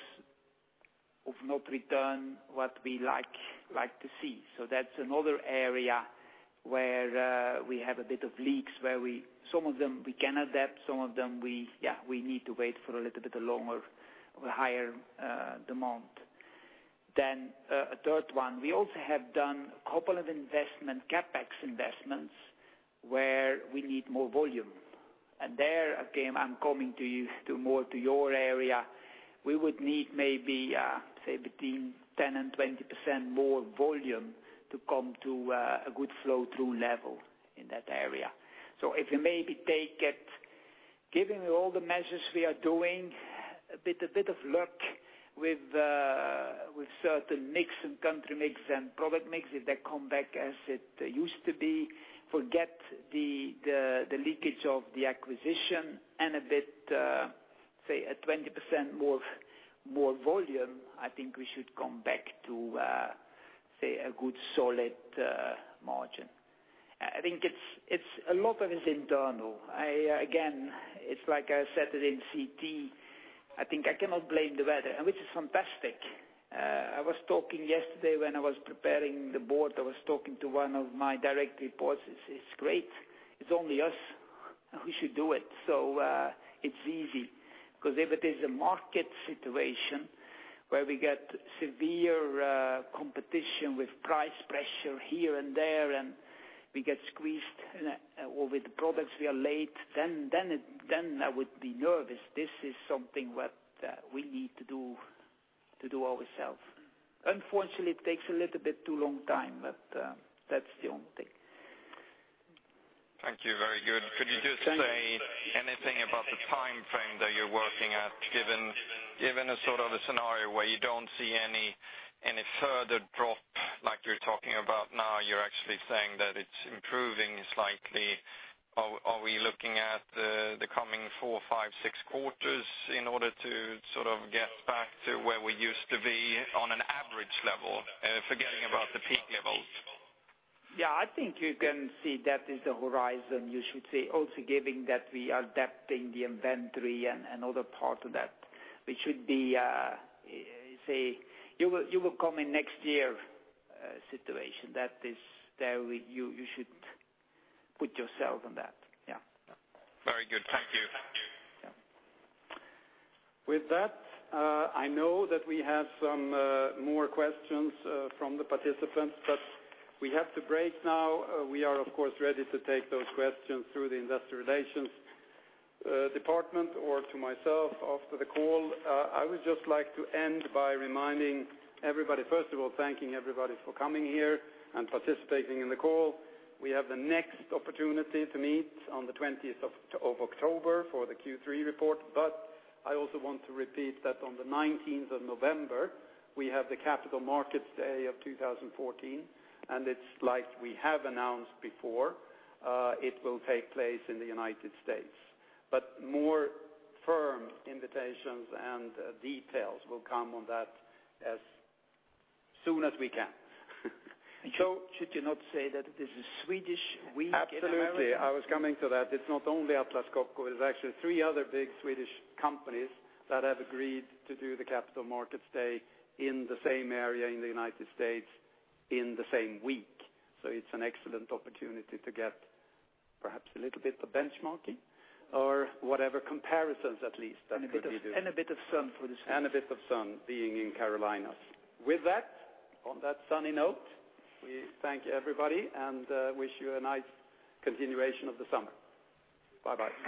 [SPEAKER 2] of not return what we like to see. That's another area where we have a bit of leaks, where some of them we can adapt, some of them we need to wait for a little bit longer of a higher demand. A third one, we also have done a couple of investment, CapEx investments, where we need more volume. There, again, I'm coming to you to more to your area. We would need maybe, say between 10%-20% more volume to come to a good flow-through level in that area. If you maybe take it, given all the measures we are doing, a bit of luck with certain mix and country mix and product mix, if they come back as it used to be, forget the leakage of the acquisition and, say, a 20% more volume, I think we should come back to, say, a good solid margin. I think a lot of it is internal. Again, it's like I said it in CT, I think I cannot blame the weather, which is fantastic. I was talking yesterday when I was preparing the board, I was talking to one of my direct reports. It's great. It's only us. We should do it. It's easy, because if it is a market situation where we get severe competition with price pressure here and there, and we get squeezed, or with products we are late, then I would be nervous. This is something what we need to do ourselves. Unfortunately, it takes a little bit too long time, but that's the only thing.
[SPEAKER 12] Thank you. Very good. Could you just say anything about the timeframe that you're working at, given a sort of a scenario where you don't see any further drop like you're talking about now, you're actually saying that it's improving slightly. Are we looking at the coming four, five, six quarters in order to sort of get back to where we used to be on an average level, forgetting about the peak levels?
[SPEAKER 2] I think you can see that is the horizon, you should say. Also given that we are adapting the inventory and other parts of that. It should be, say, you will come in next year situation. You should put yourself on that.
[SPEAKER 12] Very good. Thank you.
[SPEAKER 1] With that, I know that we have some more questions from the participants, we have to break now. We are, of course, ready to take those questions through the investor relations department or to myself after the call. I would just like to end by reminding everybody, first of all, thanking everybody for coming here and participating in the call. We have the next opportunity to meet on the 20th of October for the Q3 report. I also want to repeat that on the 19th of November, we have the Capital Markets Day of 2014, it's like we have announced before, it will take place in the U.S. More firm invitations and details will come on that as soon as we can.
[SPEAKER 2] Should you not say that it is a Swedish week in the U.S.?
[SPEAKER 1] Absolutely. I was coming to that. It's not only Atlas Copco, it is actually three other big Swedish companies that have agreed to do the Capital Markets Day in the same area in the U.S. in the same week. It's an excellent opportunity to get perhaps a little bit of benchmarking or whatever comparisons at least that could be.
[SPEAKER 2] A bit of sun for the Swedes.
[SPEAKER 1] A bit of sun being in Carolinas. With that, on that sunny note, we thank everybody and wish you a nice continuation of the summer. Bye-bye.